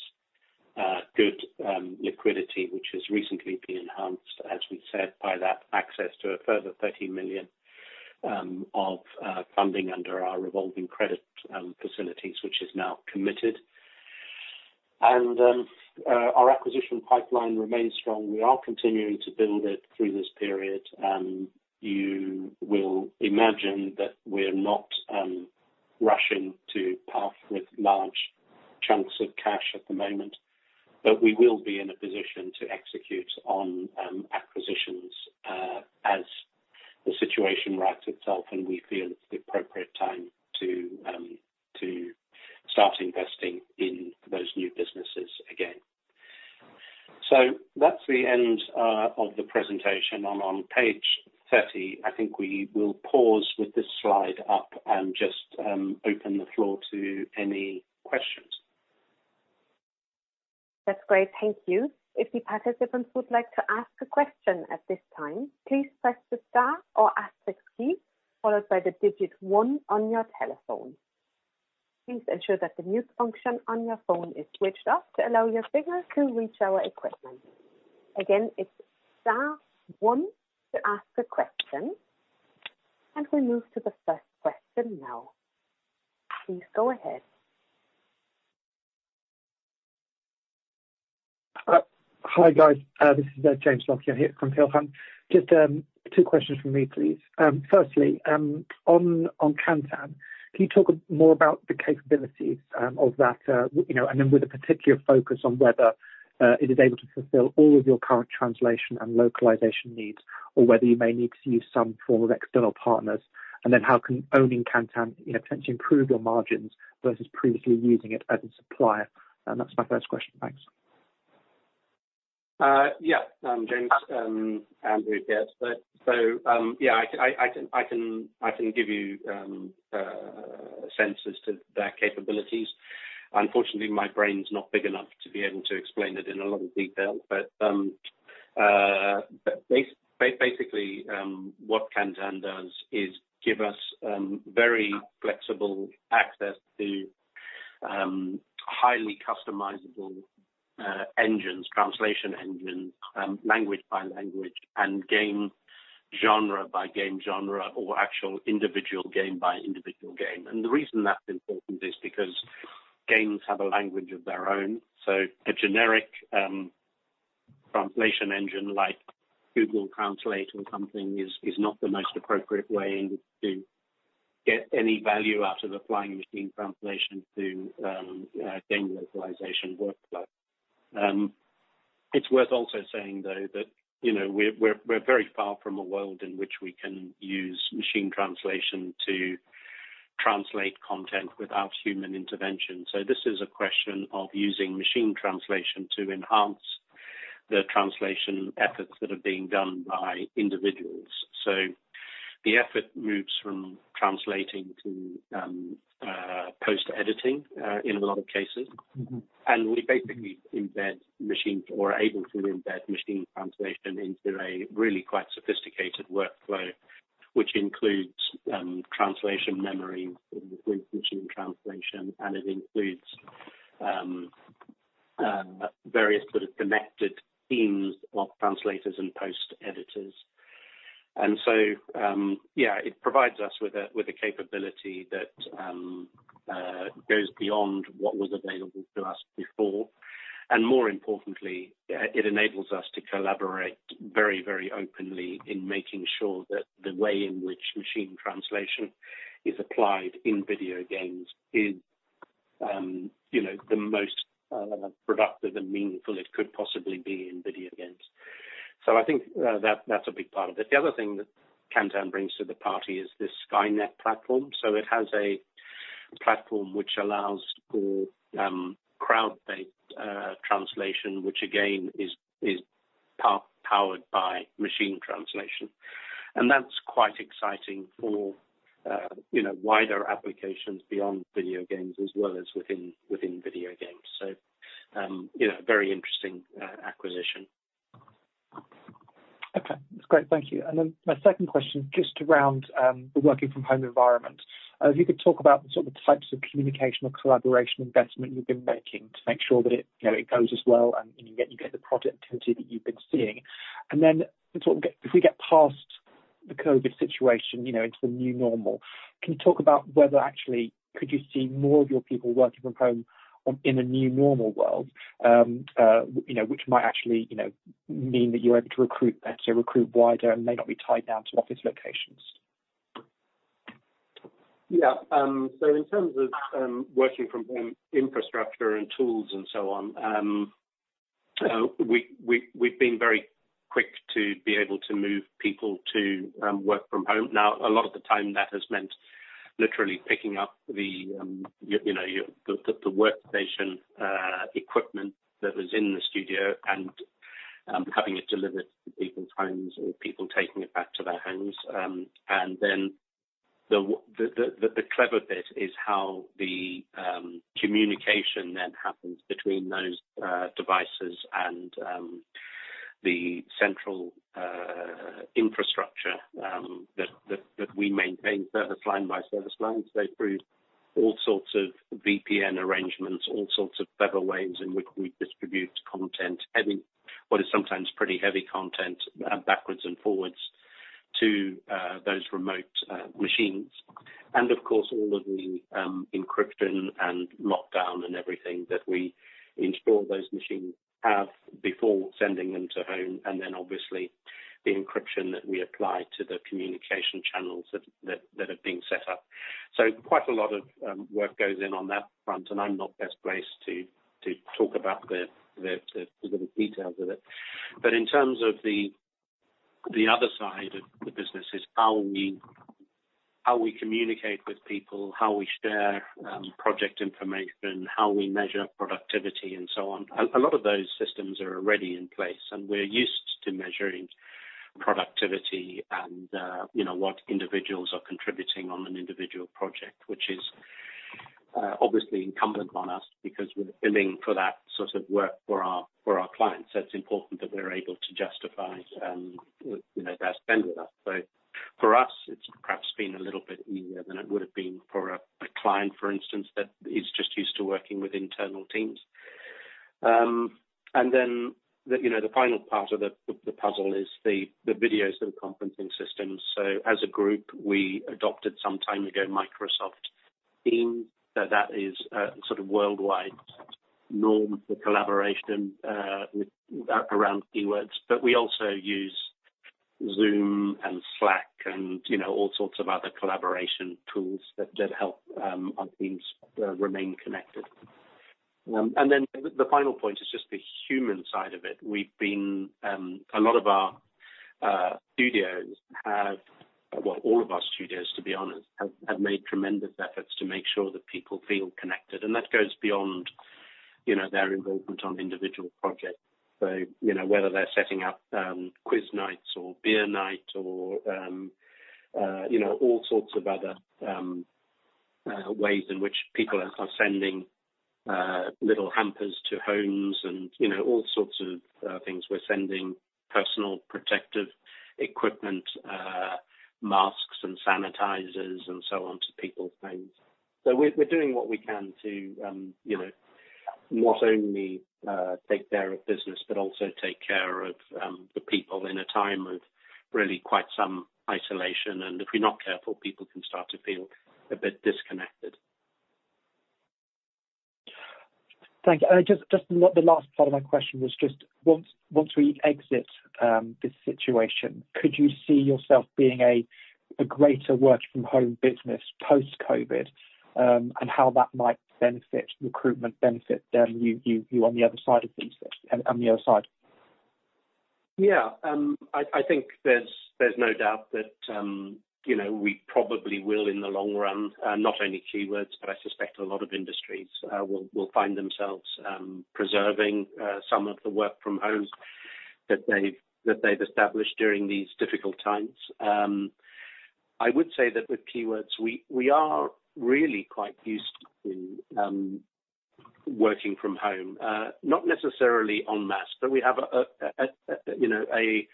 good liquidity, which has recently been enhanced, as we said, by that access to a further 30 million of funding under our revolving credit facilities, which is now committed. Our acquisition pipeline remains strong. We are continuing to build it through this period. You will imagine that we're not rushing to puff with large chunks of cash at the moment, but we will be in a position to execute on acquisitions as the situation rights itself and we feel it's the appropriate time to start investing in those new businesses again. That's the end of the presentation. I'm on page 30. I think we will pause with this slide up and just open the floor to any questions. That's great. Thank you. If the participants would like to ask a question at this time, please press the star or asterisk key, followed by the digit one on your telephone. Please ensure that the mute function on your phone is switched off to allow your signal to reach our equipment. Again, it's star one to ask a question. We move to the first question now. Please go ahead. Hi, guys. This is James Lockyer here from Peel Hunt. Just two questions from me, please. Firstly, on Kantan, can you talk more about the capabilities of that, and then with a particular focus on whether it is able to fulfill all of your current translation and localization needs or whether you may need to use some form of external partners? How can owning Kantan potentially improve your margins versus previously using it as a supplier? That's my first question. Thanks. Yeah. James, Andrew here. Yeah, I can give you sense as to their capabilities. Unfortunately, my brain's not big enough to be able to explain it in a lot of detail. Basically, what Kantan does is give us very flexible access to highly customizable engines, translation engines, language by language and game genre by game genre, or actual individual game by individual game. The reason that's important is because games have a language of their own. A generic translation engine like Google Translate or something is not the most appropriate way to get any value out of applying machine translation to game localization workflow. It's worth also saying, though, that we're very far from a world in which we can use machine translation to translate content without human intervention. This is a question of using machine translation to enhance the translation efforts that are being done by individuals. The effort moves from translating to post-editing in a lot of cases. We basically embed machines or are able to embed machine translation into a really quite sophisticated workflow, which includes translation memory with machine translation, and it includes various sort of connected teams of translators and post editors. So, yeah, it provides us with a capability that goes beyond what was available to us before. More importantly, it enables us to collaborate very openly in making sure that the way in which machine translation is applied in video games is the most productive and meaningful it could possibly be in video games. I think that's a big part of it. The other thing that Kantan brings to the party is this Skynet platform. It has a platform which allows for crowd-based translation, which again, is powered by machine translation. That's quite exciting for wider applications beyond video games as well as within video games. A very interesting acquisition. Okay. That's great, thank you. My second question, just around the working from home environment. If you could talk about the sort of types of communication or collaboration investment you've been making to make sure that it goes as well and you get the productivity that you've been seeing. If we get past the COVID-19 situation into the new normal, can you talk about whether actually could you see more of your people working from home in a new normal world, which might actually mean that you're able to recruit better, recruit wider, and may not be tied down to office locations? In terms of working from home infrastructure and tools and so on, we've been very quick to be able to move people to work from home. Now, a lot of the time, that has meant literally picking up the workstation equipment that was in the studio and having it delivered to people's homes or people taking it back to their homes. Then the clever bit is how the communication then happens between those devices and the central infrastructure that we maintain service line by service line. Through all sorts of VPN arrangements, all sorts of clever ways in which we distribute content, what is sometimes pretty heavy content backwards and forwards to those remote machines. Of course, all of the encryption and lockdown and everything that we install those machines have before sending them to home, and then obviously the encryption that we apply to the communication channels that are being set up. Quite a lot of work goes in on that front, and I'm not best placed to talk about the little details of it. In terms of the other side of the business is how we communicate with people, how we share project information, how we measure productivity and so on. A lot of those systems are already in place, and we're used to measuring productivity and what individuals are contributing on an individual project, which is obviously incumbent on us because we're billing for that sort of work for our clients. It's important that we're able to justify their spend with us. For us, it's perhaps been a little bit easier than it would have been for a client, for instance, that is just used to working with internal teams. The final part of the puzzle is the video sort of conferencing systems. As a group, we adopted some time ago Microsoft Teams. That is a sort of worldwide norm for collaboration around Keywords. We also use Zoom and Slack and all sorts of other collaboration tools that help our teams remain connected. The final point is just the human side of it. A lot of our studios, all of our studios, to be honest, have made tremendous efforts to make sure that people feel connected. That goes beyond their involvement on individual projects. Whether they're setting up quiz nights or beer night or all sorts of other ways in which people are sending little hampers to homes and all sorts of things. We're sending personal protective equipment, masks and sanitizers and so on to people's homes. We're doing what we can to not only take care of business, but also take care of the people in a time of really quite some isolation. If we're not careful, people can start to feel a bit disconnected. Thank you. The last part of my question was once we exit this situation, could you see yourself being a greater work from home business post-COVID, and how that might benefit recruitment, benefit then you on the other side of this? Yeah. I think there is no doubt that we probably will, in the long run, not only Keywords, but I suspect a lot of industries, will find themselves preserving some of the work from home that they have established during these difficult times. I would say that with Keywords, we are really quite used to working from home. Not necessarily en masse, but we have a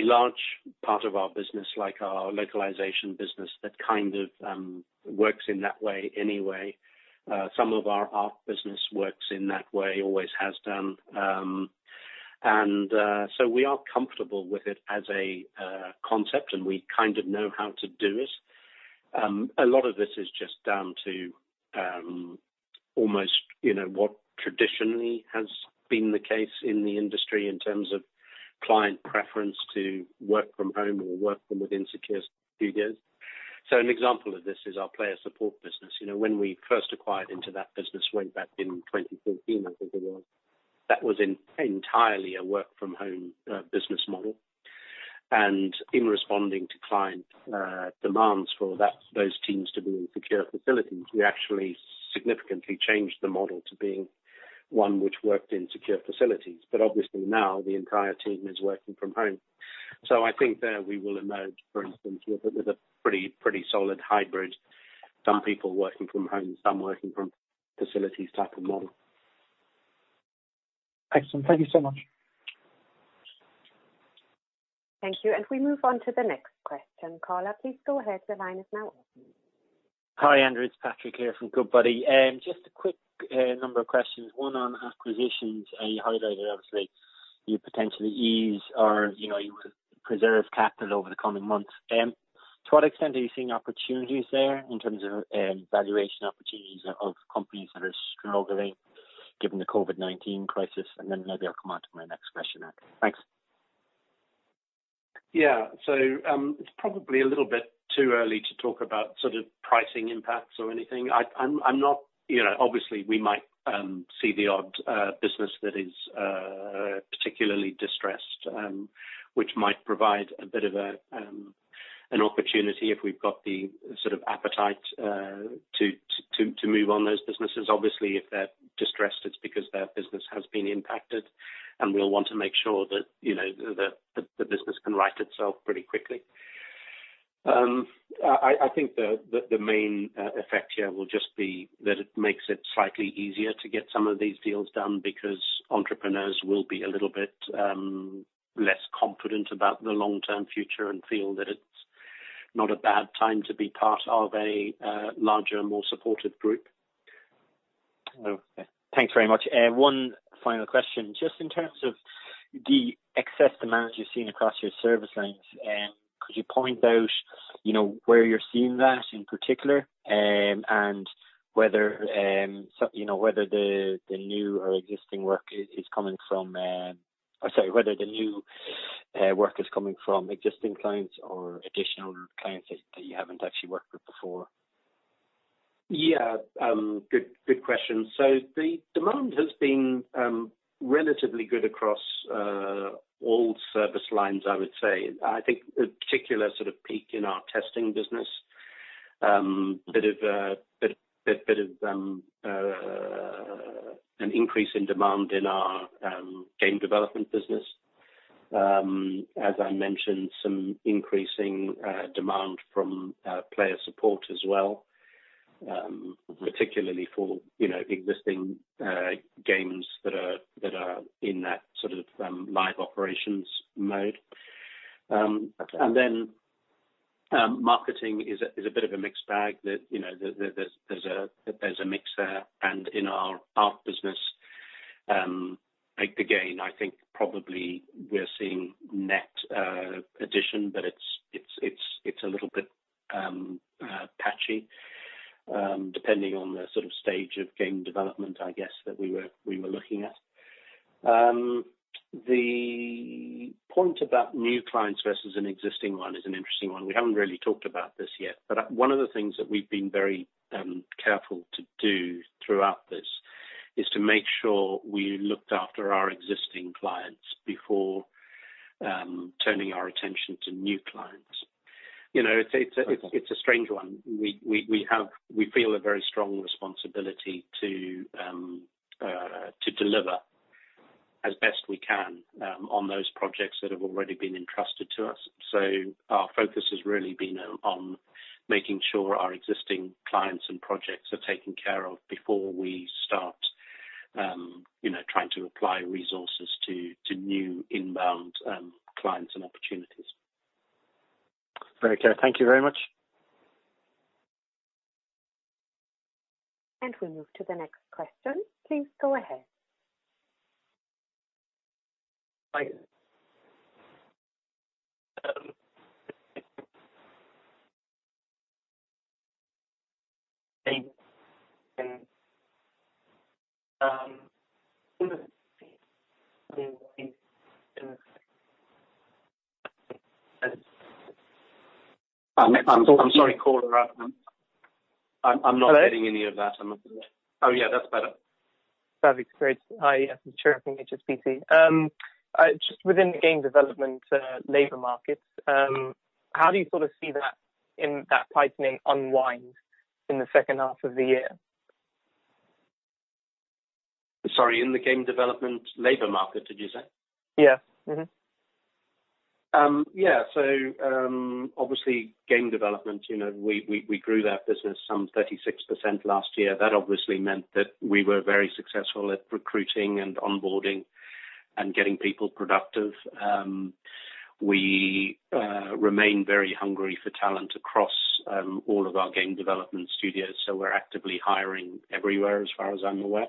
large part of our business, like our localization business, that kind of works in that way anyway. Some of our art business works in that way, always has done. We are comfortable with it as a concept, and we kind of know how to do it. A lot of this is just down to almost what traditionally has been the case in the industry in terms of client preference to work from home or work from within secure studios. An example of this is our player support business. When we first acquired into that business way back in 2014, I think it was, that was entirely a work from home business model. In responding to client demands for those teams to be in secure facilities, we actually significantly changed the model to being one which worked in secure facilities. Obviously now the entire team is working from home. I think there we will emerge, for instance, with a pretty solid hybrid, some people working from home, some working from facilities type of model. Excellent. Thank you so much. Thank you. We move on to the next question. Caller, please go ahead. The line is now open. Hi, Andrew. It's Patrick here from Goodbody. Just a quick number of questions. One on acquisitions. You highlighted, obviously, you potentially ease or you will preserve capital over the coming months. To what extent are you seeing opportunities there in terms of valuation opportunities of companies that are struggling given the COVID-19 crisis? Then maybe I'll come on to my next question. Thanks. It's probably a little bit too early to talk about sort of pricing impacts or anything. We might see the odd business that is particularly distressed, which might provide a bit of an opportunity if we've got the sort of appetite to move on those businesses. If they're distressed, it's because their business has been impacted, and we'll want to make sure that the business can right itself pretty quickly. I think the main effect here will just be that it makes it slightly easier to get some of these deals done because entrepreneurs will be a little bit less confident about the long-term future and feel that it's not a bad time to be part of a larger, more supportive group. Okay. Thanks very much. One final question. Just in terms of the excess demand you're seeing across your service lines, could you point out where you're seeing that in particular, and whether the new work is coming from existing clients or additional clients that you haven't actually worked with before? Yeah. Good question. The demand has been relatively good across all service lines, I would say. I think a particular sort of peak in our testing business. A bit of an increase in demand in our game development business. As I mentioned, some increasing demand from player support as well, particularly for existing games that are in that sort of live operations mode. Marketing is a bit of a mixed bag. There's a mix there. In our art business, again, I think probably we're seeing net addition, but it's a little bit patchy depending on the sort of stage of game development, I guess, that we were looking at. The point about new clients versus an existing one is an interesting one. We haven't really talked about this yet, one of the things that we've been very careful to do throughout this is to make sure we looked after our existing clients before turning our attention to new clients. It's a strange one. We feel a very strong responsibility to deliver as best we can on those projects that have already been entrusted to us. Our focus has really been on making sure our existing clients and projects are taken care of before we start trying to apply resources to new inbound clients and opportunities. Very clear. Thank you very much. We move to the next question. Please go ahead. Thanks. I'm sorry, call arrived. I'm not getting any of that. Oh, yeah, that's better. Great. Hi, yes, it's Cher from HSBC. Just within the game development labor markets, how do you see that tightening unwind in the second half of the year? Sorry, in the game development labor market, did you say? Yeah. Mm-hmm. Yeah. Obviously game development, we grew that business some 36% last year. That obviously meant that we were very successful at recruiting and onboarding and getting people productive. We remain very hungry for talent across all of our game development studios, so we're actively hiring everywhere, as far as I'm aware.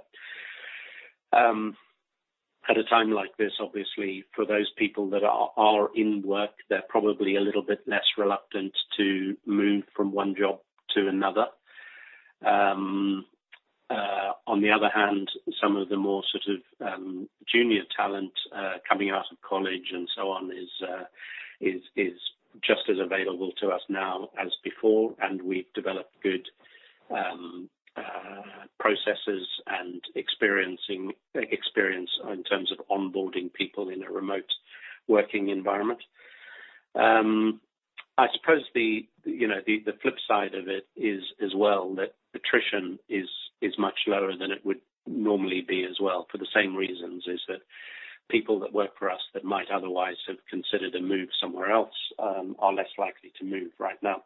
At a time like this, obviously, for those people that are in work, they're probably a little bit less reluctant to move from one job to another. On the other hand, some of the more sort of junior talent coming out of college and so on is just as available to us now as before, and we've developed good processes and experience in terms of onboarding people in a remote working environment. I suppose the flip side of it is as well, that attrition is much lower than it would normally be as well, for the same reasons, is that people that work for us that might otherwise have considered a move somewhere else are less likely to move right now.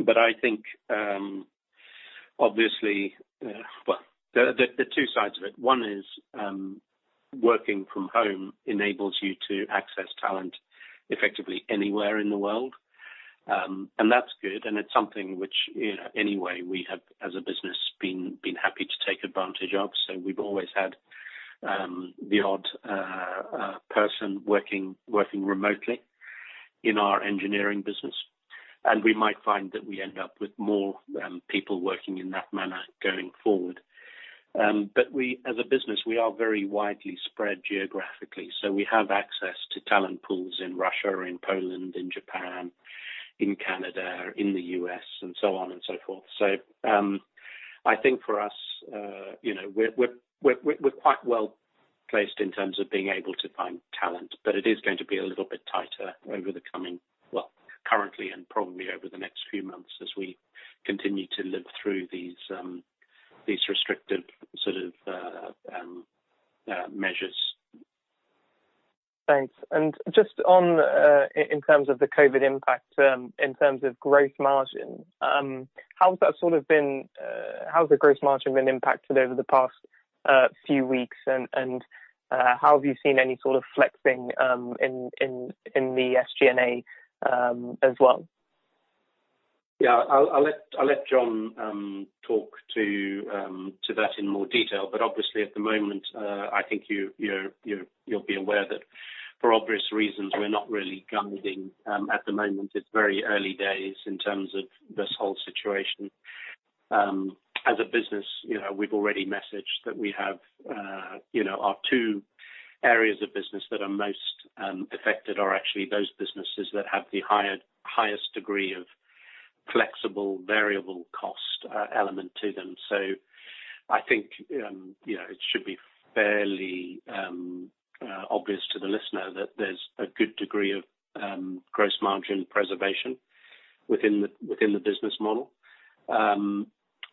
I think, obviously, well, there are two sides of it. One is, working from home enables you to access talent effectively anywhere in the world, and that's good, and it's something which, anyway, we have, as a business, been happy to take advantage of. We've always had the odd person working remotely in our engineering business, and we might find that we end up with more people working in that manner going forward. As a business, we are very widely spread geographically, so we have access to talent pools in Russia, in Poland, in Japan, in Canada, in the U.S., and so on and so forth. I think for us, we're quite well-placed in terms of being able to find talent, but it is going to be a little bit tighter over the coming, well, currently and probably over the next few months as we continue to live through these restrictive sort of measures. Thanks. Just in terms of the COVID impact in terms of gross margin, how's the gross margin been impacted over the past few weeks, and how have you seen any sort of flexing in the SG&A as well? I'll let Jon talk to that in more detail, obviously at the moment, I think you'll be aware that for obvious reasons, we're not really guiding at the moment. It's very early days in terms of this whole situation. As a business, we've already messaged that we have our two areas of business that are most affected are actually those businesses that have the highest degree of flexible variable cost element to them. I think it should be fairly obvious to the listener that there's a good degree of gross margin preservation within the business model.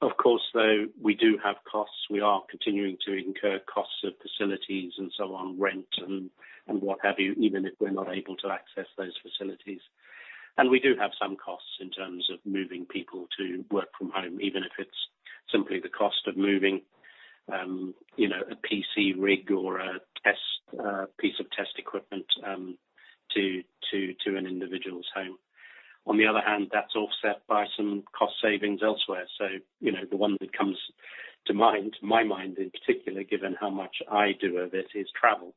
Of course, though, we do have costs. We are continuing to incur costs of facilities and so on, rent and what have you, even if we're not able to access those facilities. We do have some costs in terms of moving people to work from home, even if it's simply the cost of moving a PC rig or a piece of test equipment to an individual's home. On the other hand, that's offset by some cost savings elsewhere. The one that comes to my mind in particular, given how much I do of it, is travel.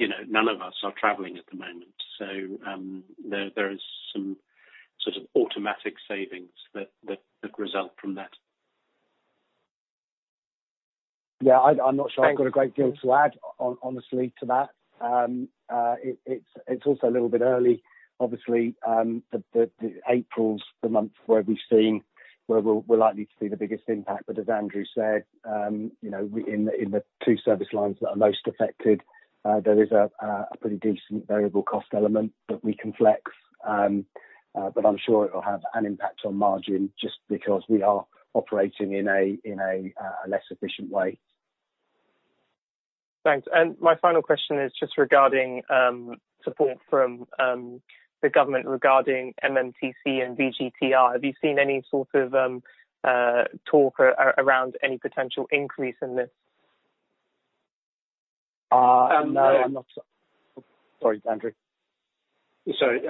None of us are traveling at the moment. There is some sort of automatic savings that result from that. Yeah, I'm not sure I've got a great deal to add, honestly, to that. It's also a little bit early, obviously. April's the month where we'll likely see the biggest impact. As Andrew said, in the two service lines that are most affected, there is a pretty decent variable cost element that we can flex. I'm sure it'll have an impact on margin just because we are operating in a less efficient way. Thanks. My final question is just regarding support from the government regarding MMTC and VGTR. Have you seen any sort of talk around any potential increase in this? No, Sorry, Andrew. Sorry.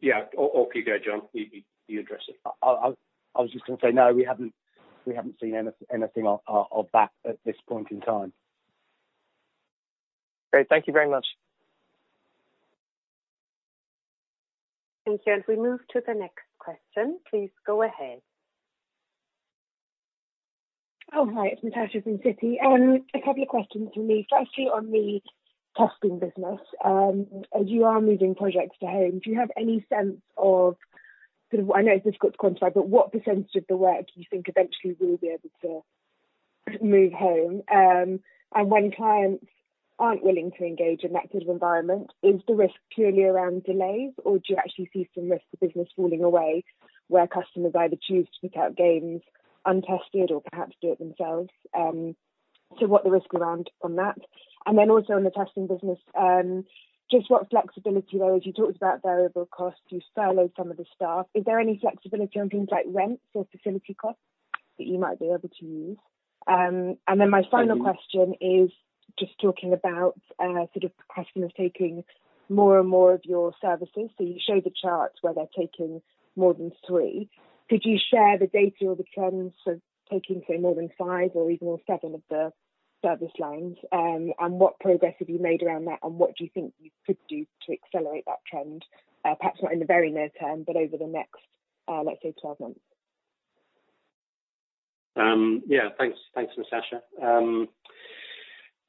Yeah, off you go, Jon. You address it. I was just going to say, no, we haven't seen anything of that at this point in time. Great. Thank you very much. Thank you. As we move to the next question, please go ahead. Oh, hi. It's Natasha from Citi. A couple of questions from me, firstly, on the testing business. As you are moving projects to home, do you have any sense of, I know it's difficult to quantify, but what percentage of the work do you think eventually will be able to move home? When clients aren't willing to engage in that kind of environment, is the risk purely around delays, or do you actually see some risk of business falling away, where customers either choose to put out games untested or perhaps do it themselves? What are the risks around on that? Also in the testing business, just what flexibility there is. You talked about variable costs. You furloughed some of the staff. Is there any flexibility on things like rents or facility costs that you might be able to use? My final question is just talking about sort of the question of taking more and more of your services. You showed the charts where they're taking more than three. Could you share the data or the trends of taking, say, more than five or even seven of the service lines? What progress have you made around that, and what do you think you could do to accelerate that trend? Perhaps not in the very near term, but over the next, let's say, 12 months. Yeah. Thanks, Natasha.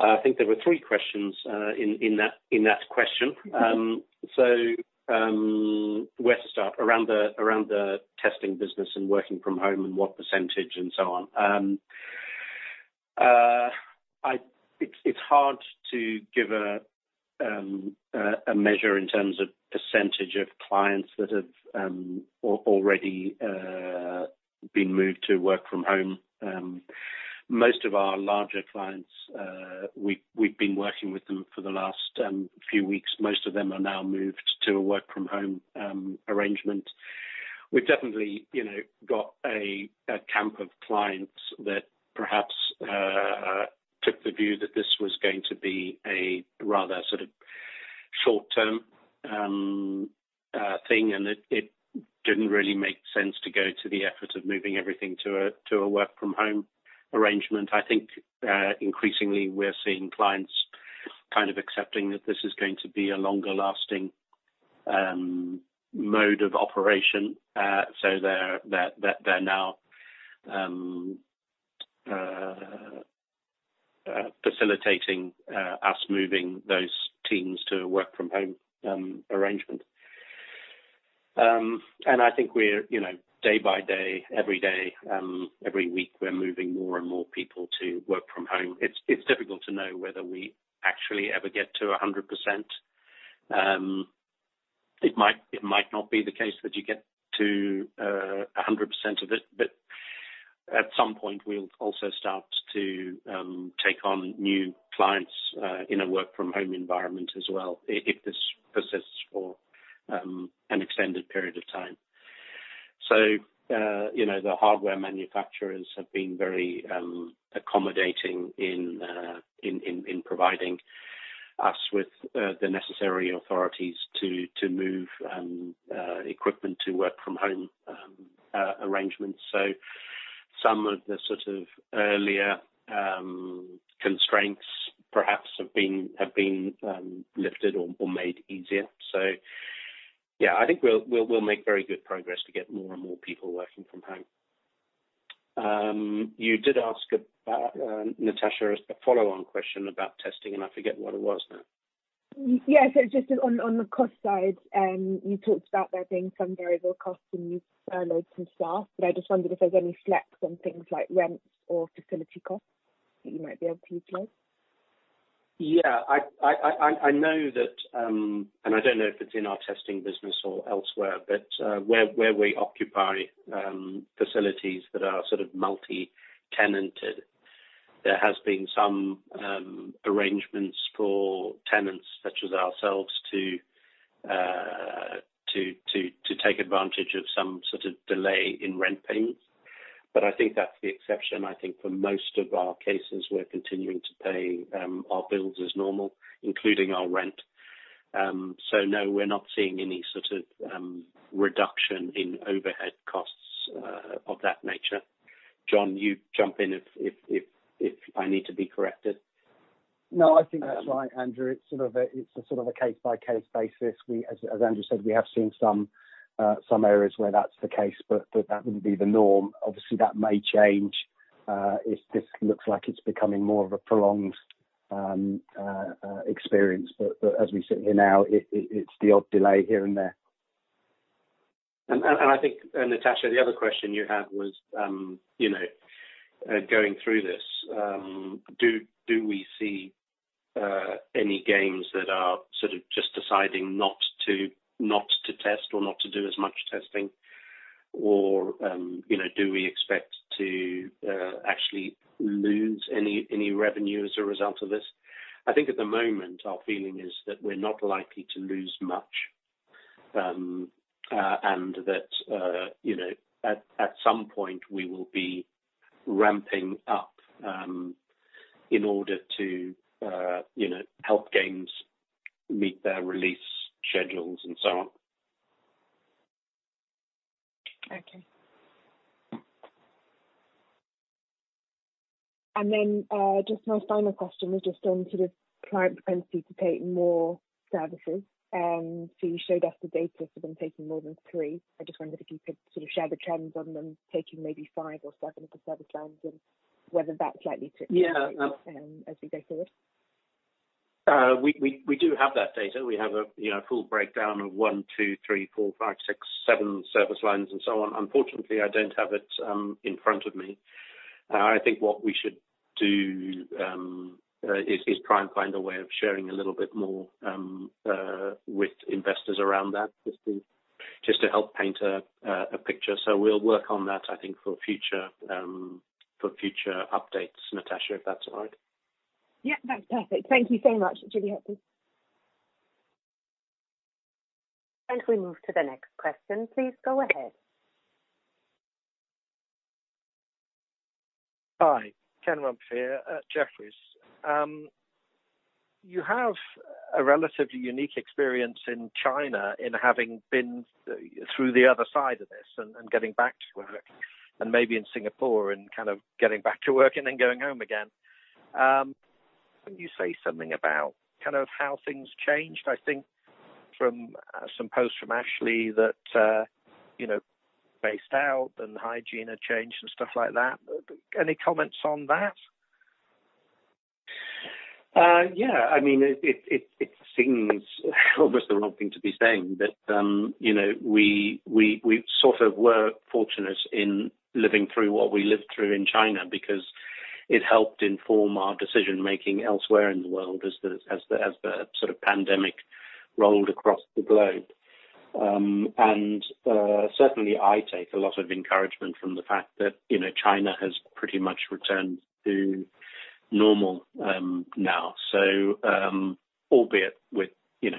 I think there were three questions in that question. Where to start? Around the testing business and working from home and what percentage and so on. It's hard to give a measure in terms of percentage of clients that have already been moved to work from home. Most of our larger clients, we've been working with them for the last few weeks. Most of them are now moved to a work-from-home arrangement. We've definitely got a camp of clients that perhaps took the view that this was going to be a rather sort of short term thing, and it didn't really make sense to go to the effort of moving everything to a work from home arrangement. I think increasingly we're seeing clients kind of accepting that this is going to be a longer lasting mode of operation. They're now facilitating us moving those teams to a work from home arrangement. I think we're day by day, every day, every week, we're moving more and more people to work from home. It's difficult to know whether we actually ever get to 100%. It might not be the case that you get to 100% of it, but at some point we'll also start to take on new clients in a work from home environment as well if this persists for an extended period of time. The hardware manufacturers have been very accommodating in providing us with the necessary authorities to move equipment to work from home arrangements. Some of the sort of earlier constraints perhaps have been lifted or made easier. Yeah, I think we'll make very good progress to get more and more people working from home. You did ask, Natasha, a follow-on question about testing, and I forget what it was now. Yeah. Just on the cost side, you talked about there being some variable costs, and you furloughed some staff, but I just wondered if there's any flex on things like rents or facility costs that you might be able to use. Yeah. I don't know if it's in our testing business or elsewhere, but where we occupy facilities that are sort of multi-tenanted, there has been some arrangements for tenants such as ourselves to take advantage of some sort of delay in rent payments. I think that's the exception. I think for most of our cases, we're continuing to pay our bills as normal, including our rent. No, we're not seeing any sort of reduction in overhead costs of that nature. Jon, you jump in if I need to be corrected. No, I think that's right, Andrew. It's a sort of a case-by-case basis. As Andrew said, we have seen some areas where that's the case, but that wouldn't be the norm. Obviously, that may change if this looks like it's becoming more of a prolonged experience. As we sit here now, it's the odd delay here and there. I think, Natasha, the other question you had was, going through this, do we see any games that are sort of just deciding not to test or not to do as much testing, or do we expect to actually lose any revenue as a result of this? I think at the moment, our feeling is that we're not likely to lose much, and that at some point we will be ramping up in order to help games meet their release schedules and so on. Okay. Just my final question was just on sort of client propensity to take more services. You showed us the data for them taking more than three. I just wondered if you could sort of share the trends on them taking maybe five or seven service lines. Yeah ...as we go forward. We do have that data. We have a full breakdown of one, two, three, four, five, six, seven service lines and so on. Unfortunately, I don't have it in front of me. I think what we should do is try and find a way of sharing a little bit more with investors around that, just to help paint a picture. We'll work on that, I think for future updates, Natasha, if that's all right. Yeah, that's perfect. Thank you so much, Andrew. We move to the next question. Please go ahead. Hi, Ken Rumph here at Jefferies. You have a relatively unique experience in China in having been through the other side of this and getting back to work and maybe in Singapore and kind of getting back to work and then going home again. Can you say something about kind of how things changed? I think from some posts from Ashley that based out and hygiene had changed and stuff like that. Any comments on that? Yeah, it seems almost the wrong thing to be saying, but we sort of were fortunate in living through what we lived through in China because it helped inform our decision-making elsewhere in the world as the sort of pandemic rolled across the globe. Certainly, I take a lot of encouragement from the fact that China has pretty much returned to normal now. Albeit with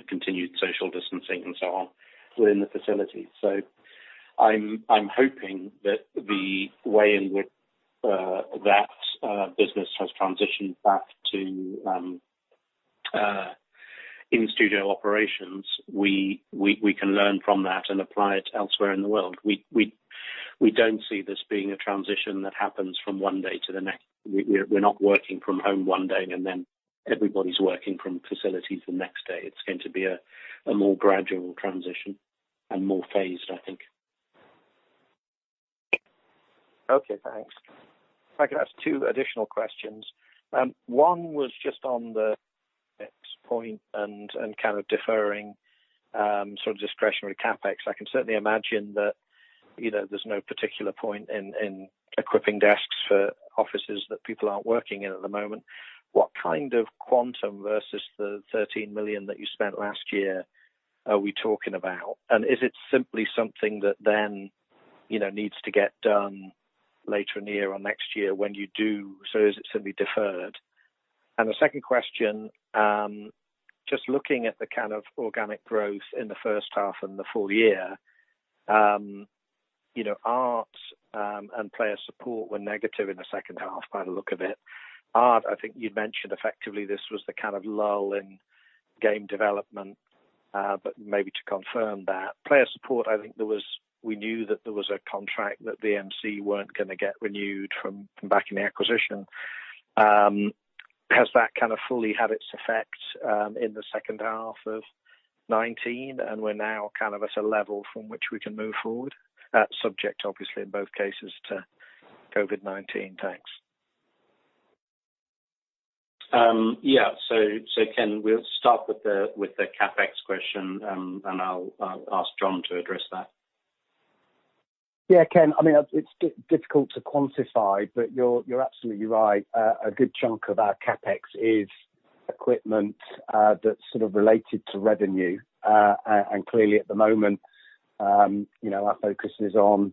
continued social distancing and so on within the facility. I'm hoping that the way in which that business has transitioned back to in-studio operations, we can learn from that and apply it elsewhere in the world. We don't see this being a transition that happens from one day to the next. We're not working from home one day, and then everybody's working from facilities the next day. It's going to be a more gradual transition and more phased, I think. Okay, thanks. If I could ask two additional questions. One was just on the X point and kind of deferring sort of discretionary CapEx. I can certainly imagine that there's no particular point in equipping desks for offices that people aren't working in at the moment. What kind of quantum versus the 13 million that you spent last year are we talking about? Is it simply something that then needs to get done later in the year or next year when you do, so is it simply deferred? The second question, just looking at the kind of organic growth in the first half and the full year. Art and player support were negative in the second half by the look of it. Art, I think you'd mentioned effectively this was the kind of lull in game development, but maybe to confirm that. Player support, I think we knew that there was a contract that the VMC weren't going to get renewed from back in the acquisition. Has that kind of fully had its effect in the second half of 2019, and we're now kind of at a level from which we can move forward, subject obviously in both cases to COVID-19? Thanks. Yeah. Ken, we'll start with the CapEx question, and I'll ask Jon to address that. Yeah, Ken, it's difficult to quantify, but you're absolutely right. A good chunk of our CapEx is equipment that's sort of related to revenue. Clearly at the moment our focus is on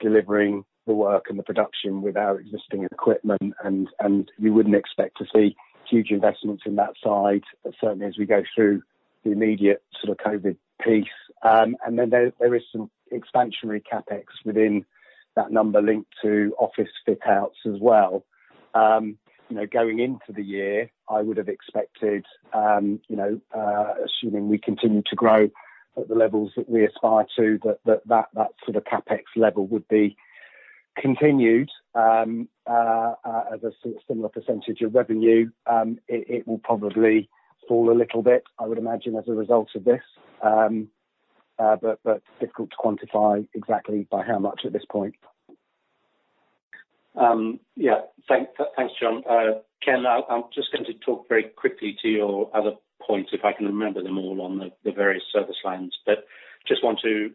delivering the work and the production with our existing equipment, and we wouldn't expect to see huge investments in that side certainly as we go through the immediate sort of COVID piece. Then there is some expansionary CapEx within that number linked to office fit outs as well. Going into the year, I would have expected, assuming we continue to grow at the levels that we aspire to, that that sort of CapEx level would be continued as a sort of similar percentage of revenue. It will probably fall a little bit, I would imagine, as a result of this. Difficult to quantify exactly by how much at this point. Yeah. Thanks, Jon. Ken, I'm just going to talk very quickly to your other points if I can remember them all on the various service lines. Just want to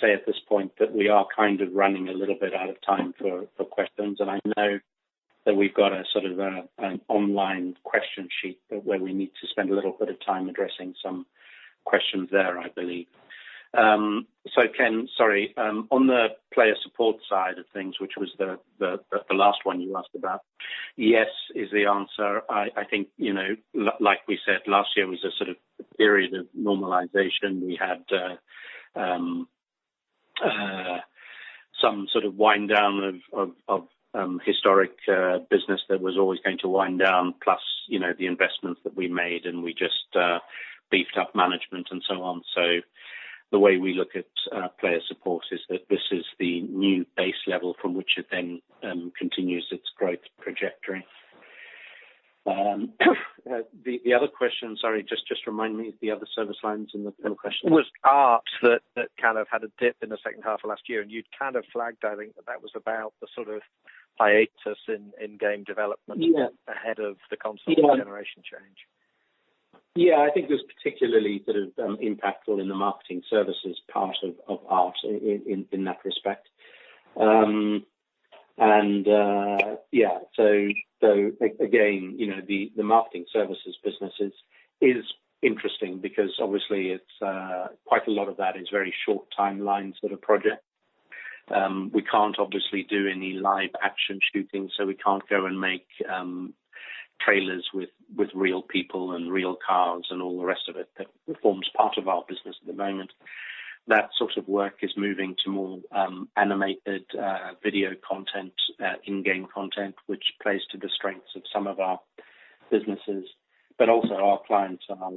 say at this point that we are kind of running a little bit out of time for questions. I know that we've got a sort of an online question sheet where we need to spend a little bit of time addressing some questions there, I believe. Ken, sorry, on the player support side of things, which was the last one you asked about. Yes is the answer. I think, like we said, last year was a sort of period of normalization. We had some sort of wind down of historic business that was always going to wind down plus the investments that we made, and we just beefed up management and so on. The way we look at player support is that this is the new base level from which it then continues its growth trajectory. The other question, sorry, just remind me the other service lines in the question? It was Arts that had a dip in the second half of last year, and you'd kind of flagged, I think that was about the sort of hiatus in game development. Yeah Ahead of the console generation change. Yeah. I think it was particularly sort of impactful in the marketing services part of Arts in that respect. Yeah, again, the marketing services business is interesting because obviously quite a lot of that is very short timeline sort of project. We can't obviously do any live action shooting, we can't go and make trailers with real people and real cars and all the rest of it that forms part of our business at the moment. That sort of work is moving to more animated video content, in-game content, which plays to the strengths of some of our businesses. Also our clients are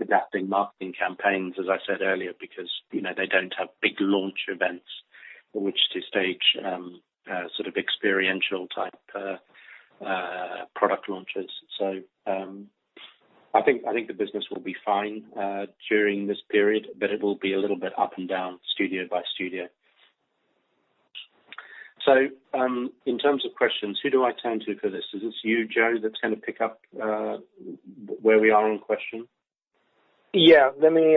adapting marketing campaigns, as I said earlier, because they don't have big launch events on which to stage sort of experiential type product launches. I think the business will be fine during this period, but it will be a little bit up and down studio by studio. In terms of questions, who do I turn to for this? Is this you, Joe, that's going to pick up where we are on question? Yeah. Let me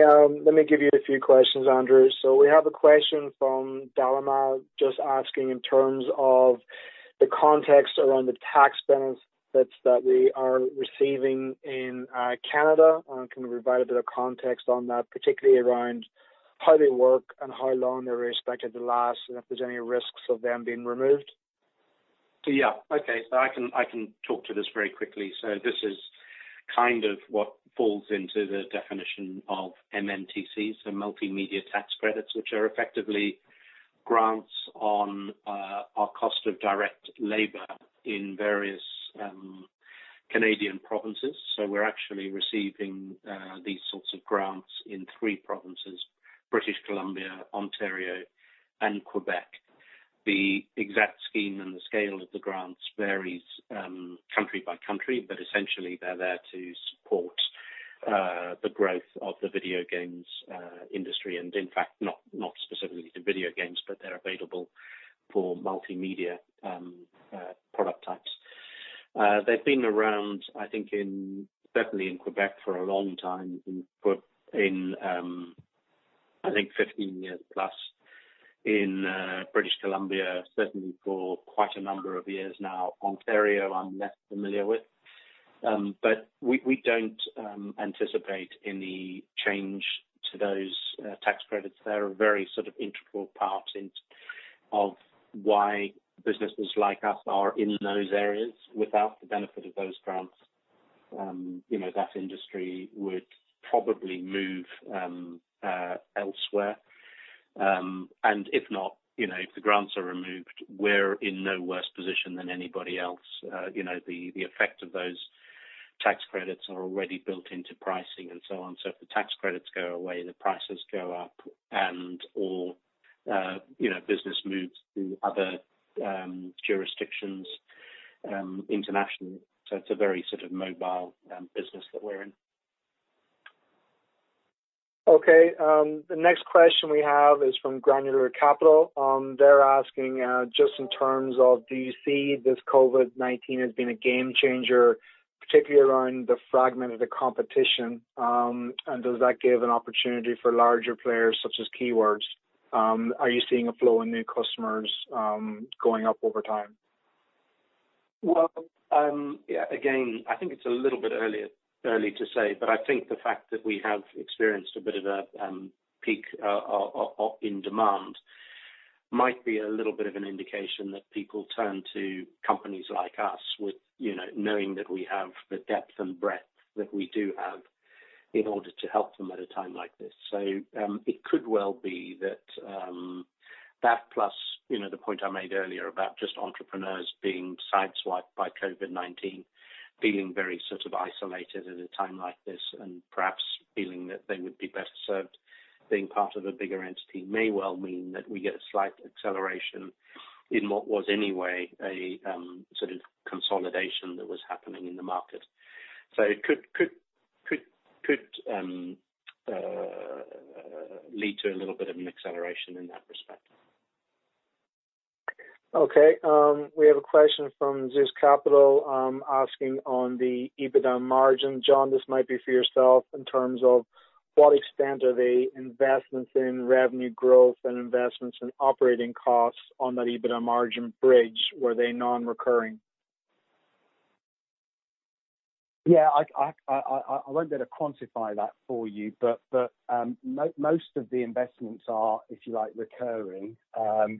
give you a few questions, Andrew. We have a question from Dalma just asking in terms of the context around the tax benefits that we are receiving in Canada, can we provide a bit of context on that, particularly around how they work and how long they're expected to last, and if there's any risks of them being removed? Okay. I can talk to this very quickly. This is kind of what falls into the definition of MMTCs, so multimedia tax credits, which are effectively grants on our cost of direct labor in various Canadian provinces. We're actually receiving these sorts of grants in three provinces, British Columbia, Ontario and Quebec. The exact scheme and the scale of the grants varies country by country, but essentially they're there to support the growth of the video games industry, and in fact, not specifically to video games, but they're available for multimedia product types. They've been around, I think certainly in Quebec for a long time, I think 15 years plus. In British Columbia, certainly for quite a number of years now. Ontario, I'm less familiar with. We don't anticipate any change to those tax credits. They're a very sort of integral part of why businesses like us are in those areas. If not, if the grants are removed, we're in no worse position than anybody else. The effect of those tax credits are already built into pricing and so on. If the tax credits go away, the prices go up and/or business moves to other jurisdictions internationally. It's a very sort of mobile business that we're in. Okay. The next question we have is from Granular Capital. They're asking just in terms of do you see this COVID-19 as being a game changer, particularly around the fragment of the competition? Does that give an opportunity for larger players such as Keywords? Are you seeing a flow in new customers going up over time? Well, again, I think it's a little bit early to say, but I think the fact that we have experienced a bit of a peak in demand might be a little bit of an indication that people turn to companies like us with knowing that we have the depth and breadth that we do have in order to help them at a time like this. It could well be that plus the point I made earlier about just entrepreneurs being sideswiped by COVID-19, feeling very sort of isolated at a time like this and perhaps feeling that they would be better served being part of a bigger entity, may well mean that we get a slight acceleration in what was anyway a sort of consolidation that was happening in the market. It could lead to a little bit of an acceleration in that respect. Okay. We have a question from Zeus Capital asking on the EBITDA margin. Jon, this might be for yourself in terms of what extent are the investments in revenue growth and investments in operating costs on that EBITDA margin bridge? Were they non-recurring? Yeah, I won't be able to quantify that for you, but most of the investments are, if you like, recurring,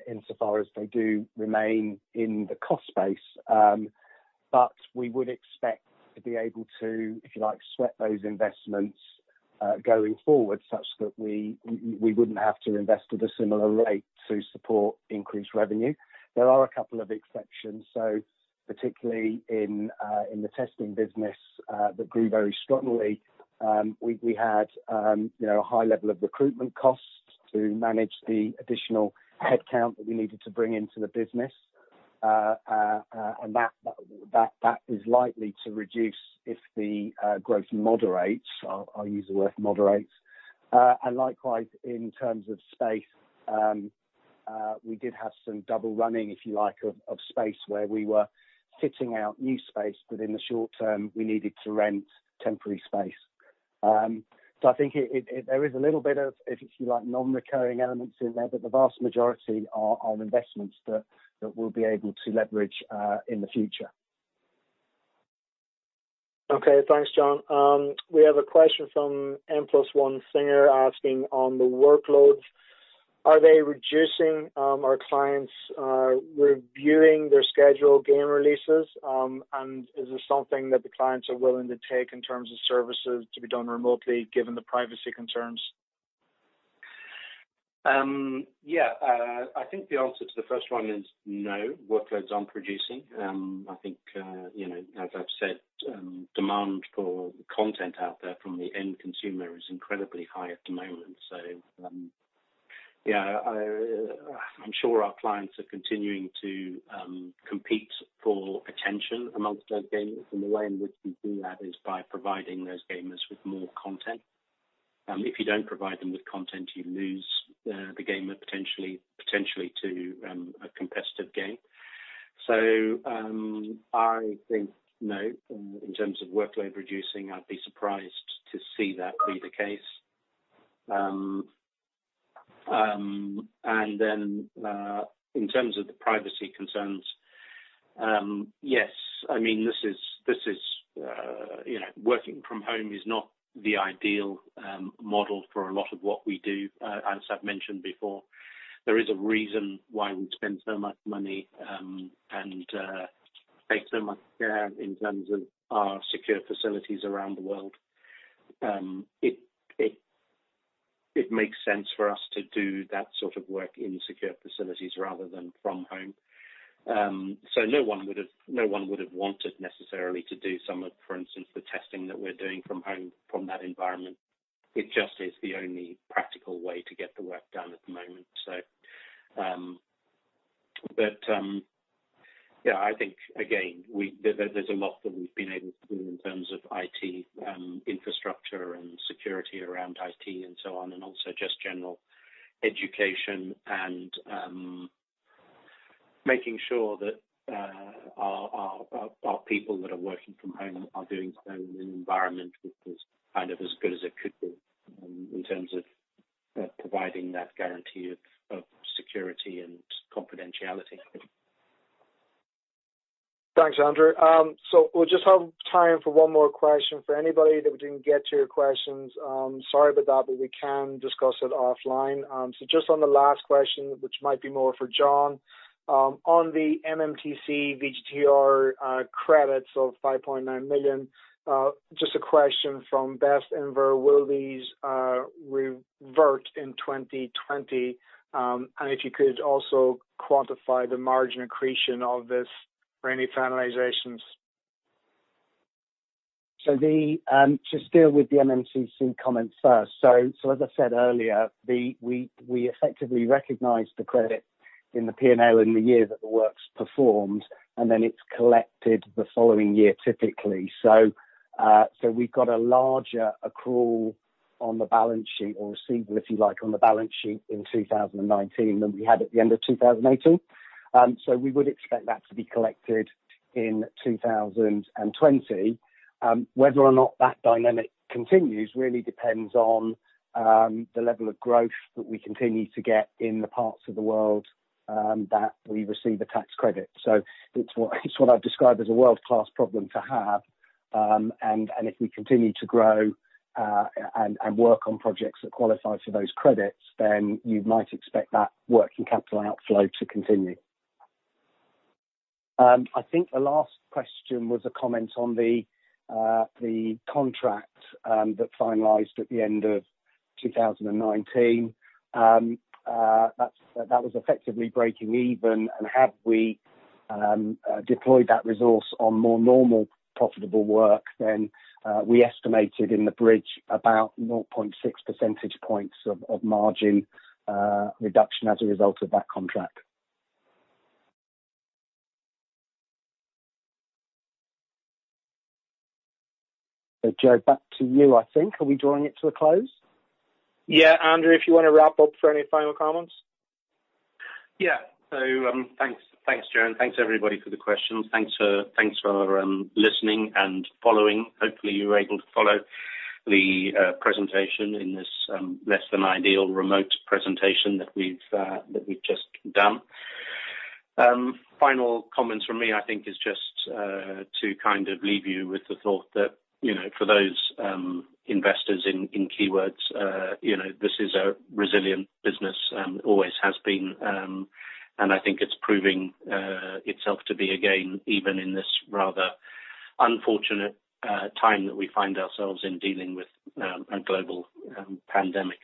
insofar as they do remain in the cost base. We would expect to be able to, if you like, sweat those investments going forward such that we wouldn't have to invest at a similar rate to support increased revenue. There are a couple of exceptions. Particularly in the testing business that grew very strongly, we had a high level of recruitment costs to manage the additional headcount that we needed to bring into the business. That is likely to reduce if the growth moderates. I'll use the word moderates. Likewise, in terms of space, we did have some double running, if you like, of space where we were fitting out new space, but in the short term, we needed to rent temporary space. I think there is a little bit of, if you like, non-recurring elements in there, but the vast majority are investments that we'll be able to leverage in the future. Okay. Thanks, Jon. We have a question from N+1 Singer asking on the workloads, are they reducing or are clients reviewing their schedule game releases? Is this something that the clients are willing to take in terms of services to be done remotely, given the privacy concerns? Yeah. I think the answer to the first one is no, workloads aren't reducing. I think as I've said, demand for content out there from the end consumer is incredibly high at the moment. Yeah, I'm sure our clients are continuing to compete for attention amongst those gamers, and the way in which we do that is by providing those gamers with more content. If you don't provide them with content, you lose the gamer potentially to a competitive game. I think no, in terms of workload reducing, I'd be surprised to see that be the case. Then, in terms of the privacy concerns, yes. Working from home is not the ideal model for a lot of what we do. As I've mentioned before, there is a reason why we spend so much money and take so much care in terms of our secure facilities around the world. It makes sense for us to do that sort of work in secure facilities rather than from home. No one would have wanted necessarily to do some of, for instance, the testing that we're doing from home from that environment. It just is the only practical way to get the work done at the moment. I think, again, there's a lot that we've been able to do in terms of IT infrastructure and security around IT and so on, and also just general education and making sure that our people that are working from home are doing so in an environment which is kind of as good as it could be in terms of providing that guarantee of security and confidentiality. Thanks, Andrew. We just have time for one more question. For anybody that we didn't get to your questions, sorry about that, but we can discuss it offline. Just on the last question, which might be more for Jon, on the MMTC VGTR credits of 5.9 million, just a question from Bestinver. Will these revert in 2020? If you could also quantify the margin accretion of this for any finalizations. To deal with the MMTC comments first. As I said earlier, we effectively recognize the credit in the P&L in the year that the work's performed, and then it's collected the following year, typically. We've got a larger accrual on the balance sheet or receivable, if you like, on the balance sheet in 2019 than we had at the end of 2018. We would expect that to be collected in 2020. Whether or not that dynamic continues really depends on the level of growth that we continue to get in the parts of the world that we receive a tax credit. It's what I've described as a world-class problem to have. If we continue to grow and work on projects that qualify for those credits, then you might expect that working capital outflow to continue. I think the last question was a comment on the contract that finalized at the end of 2019. That was effectively breaking even, had we deployed that resource on more normal profitable work, then we estimated in the bridge about 0.6 percentage points of margin reduction as a result of that contract. Joe, back to you, I think. Are we drawing it to a close? Yeah, Andrew, if you want to wrap up for any final comments. Thanks, Joe. Thanks, everybody for the questions. Thanks for listening and following. Hopefully, you were able to follow the presentation in this less than ideal remote presentation that we've just done. Final comments from me, I think, is just to kind of leave you with the thought that for those investors in Keywords, this is a resilient business and always has been. I think it's proving itself to be again, even in this rather unfortunate time that we find ourselves in dealing with a global pandemic.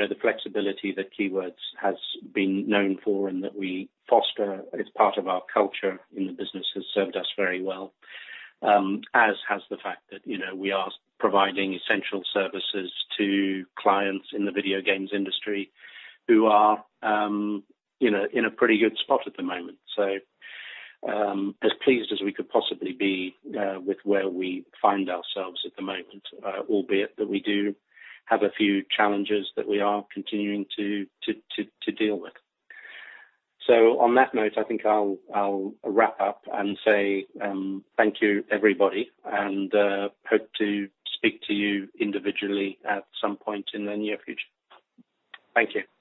The flexibility that Keywords has been known for and that we foster as part of our culture in the business has served us very well, as has the fact that we are providing essential services to clients in the video games industry who are in a pretty good spot at the moment. As pleased as we could possibly be with where we find ourselves at the moment, albeit that we do have a few challenges that we are continuing to deal with. On that note, I think I'll wrap up and say thank you, everybody, and hope to speak to you individually at some point in the near future. Thank you.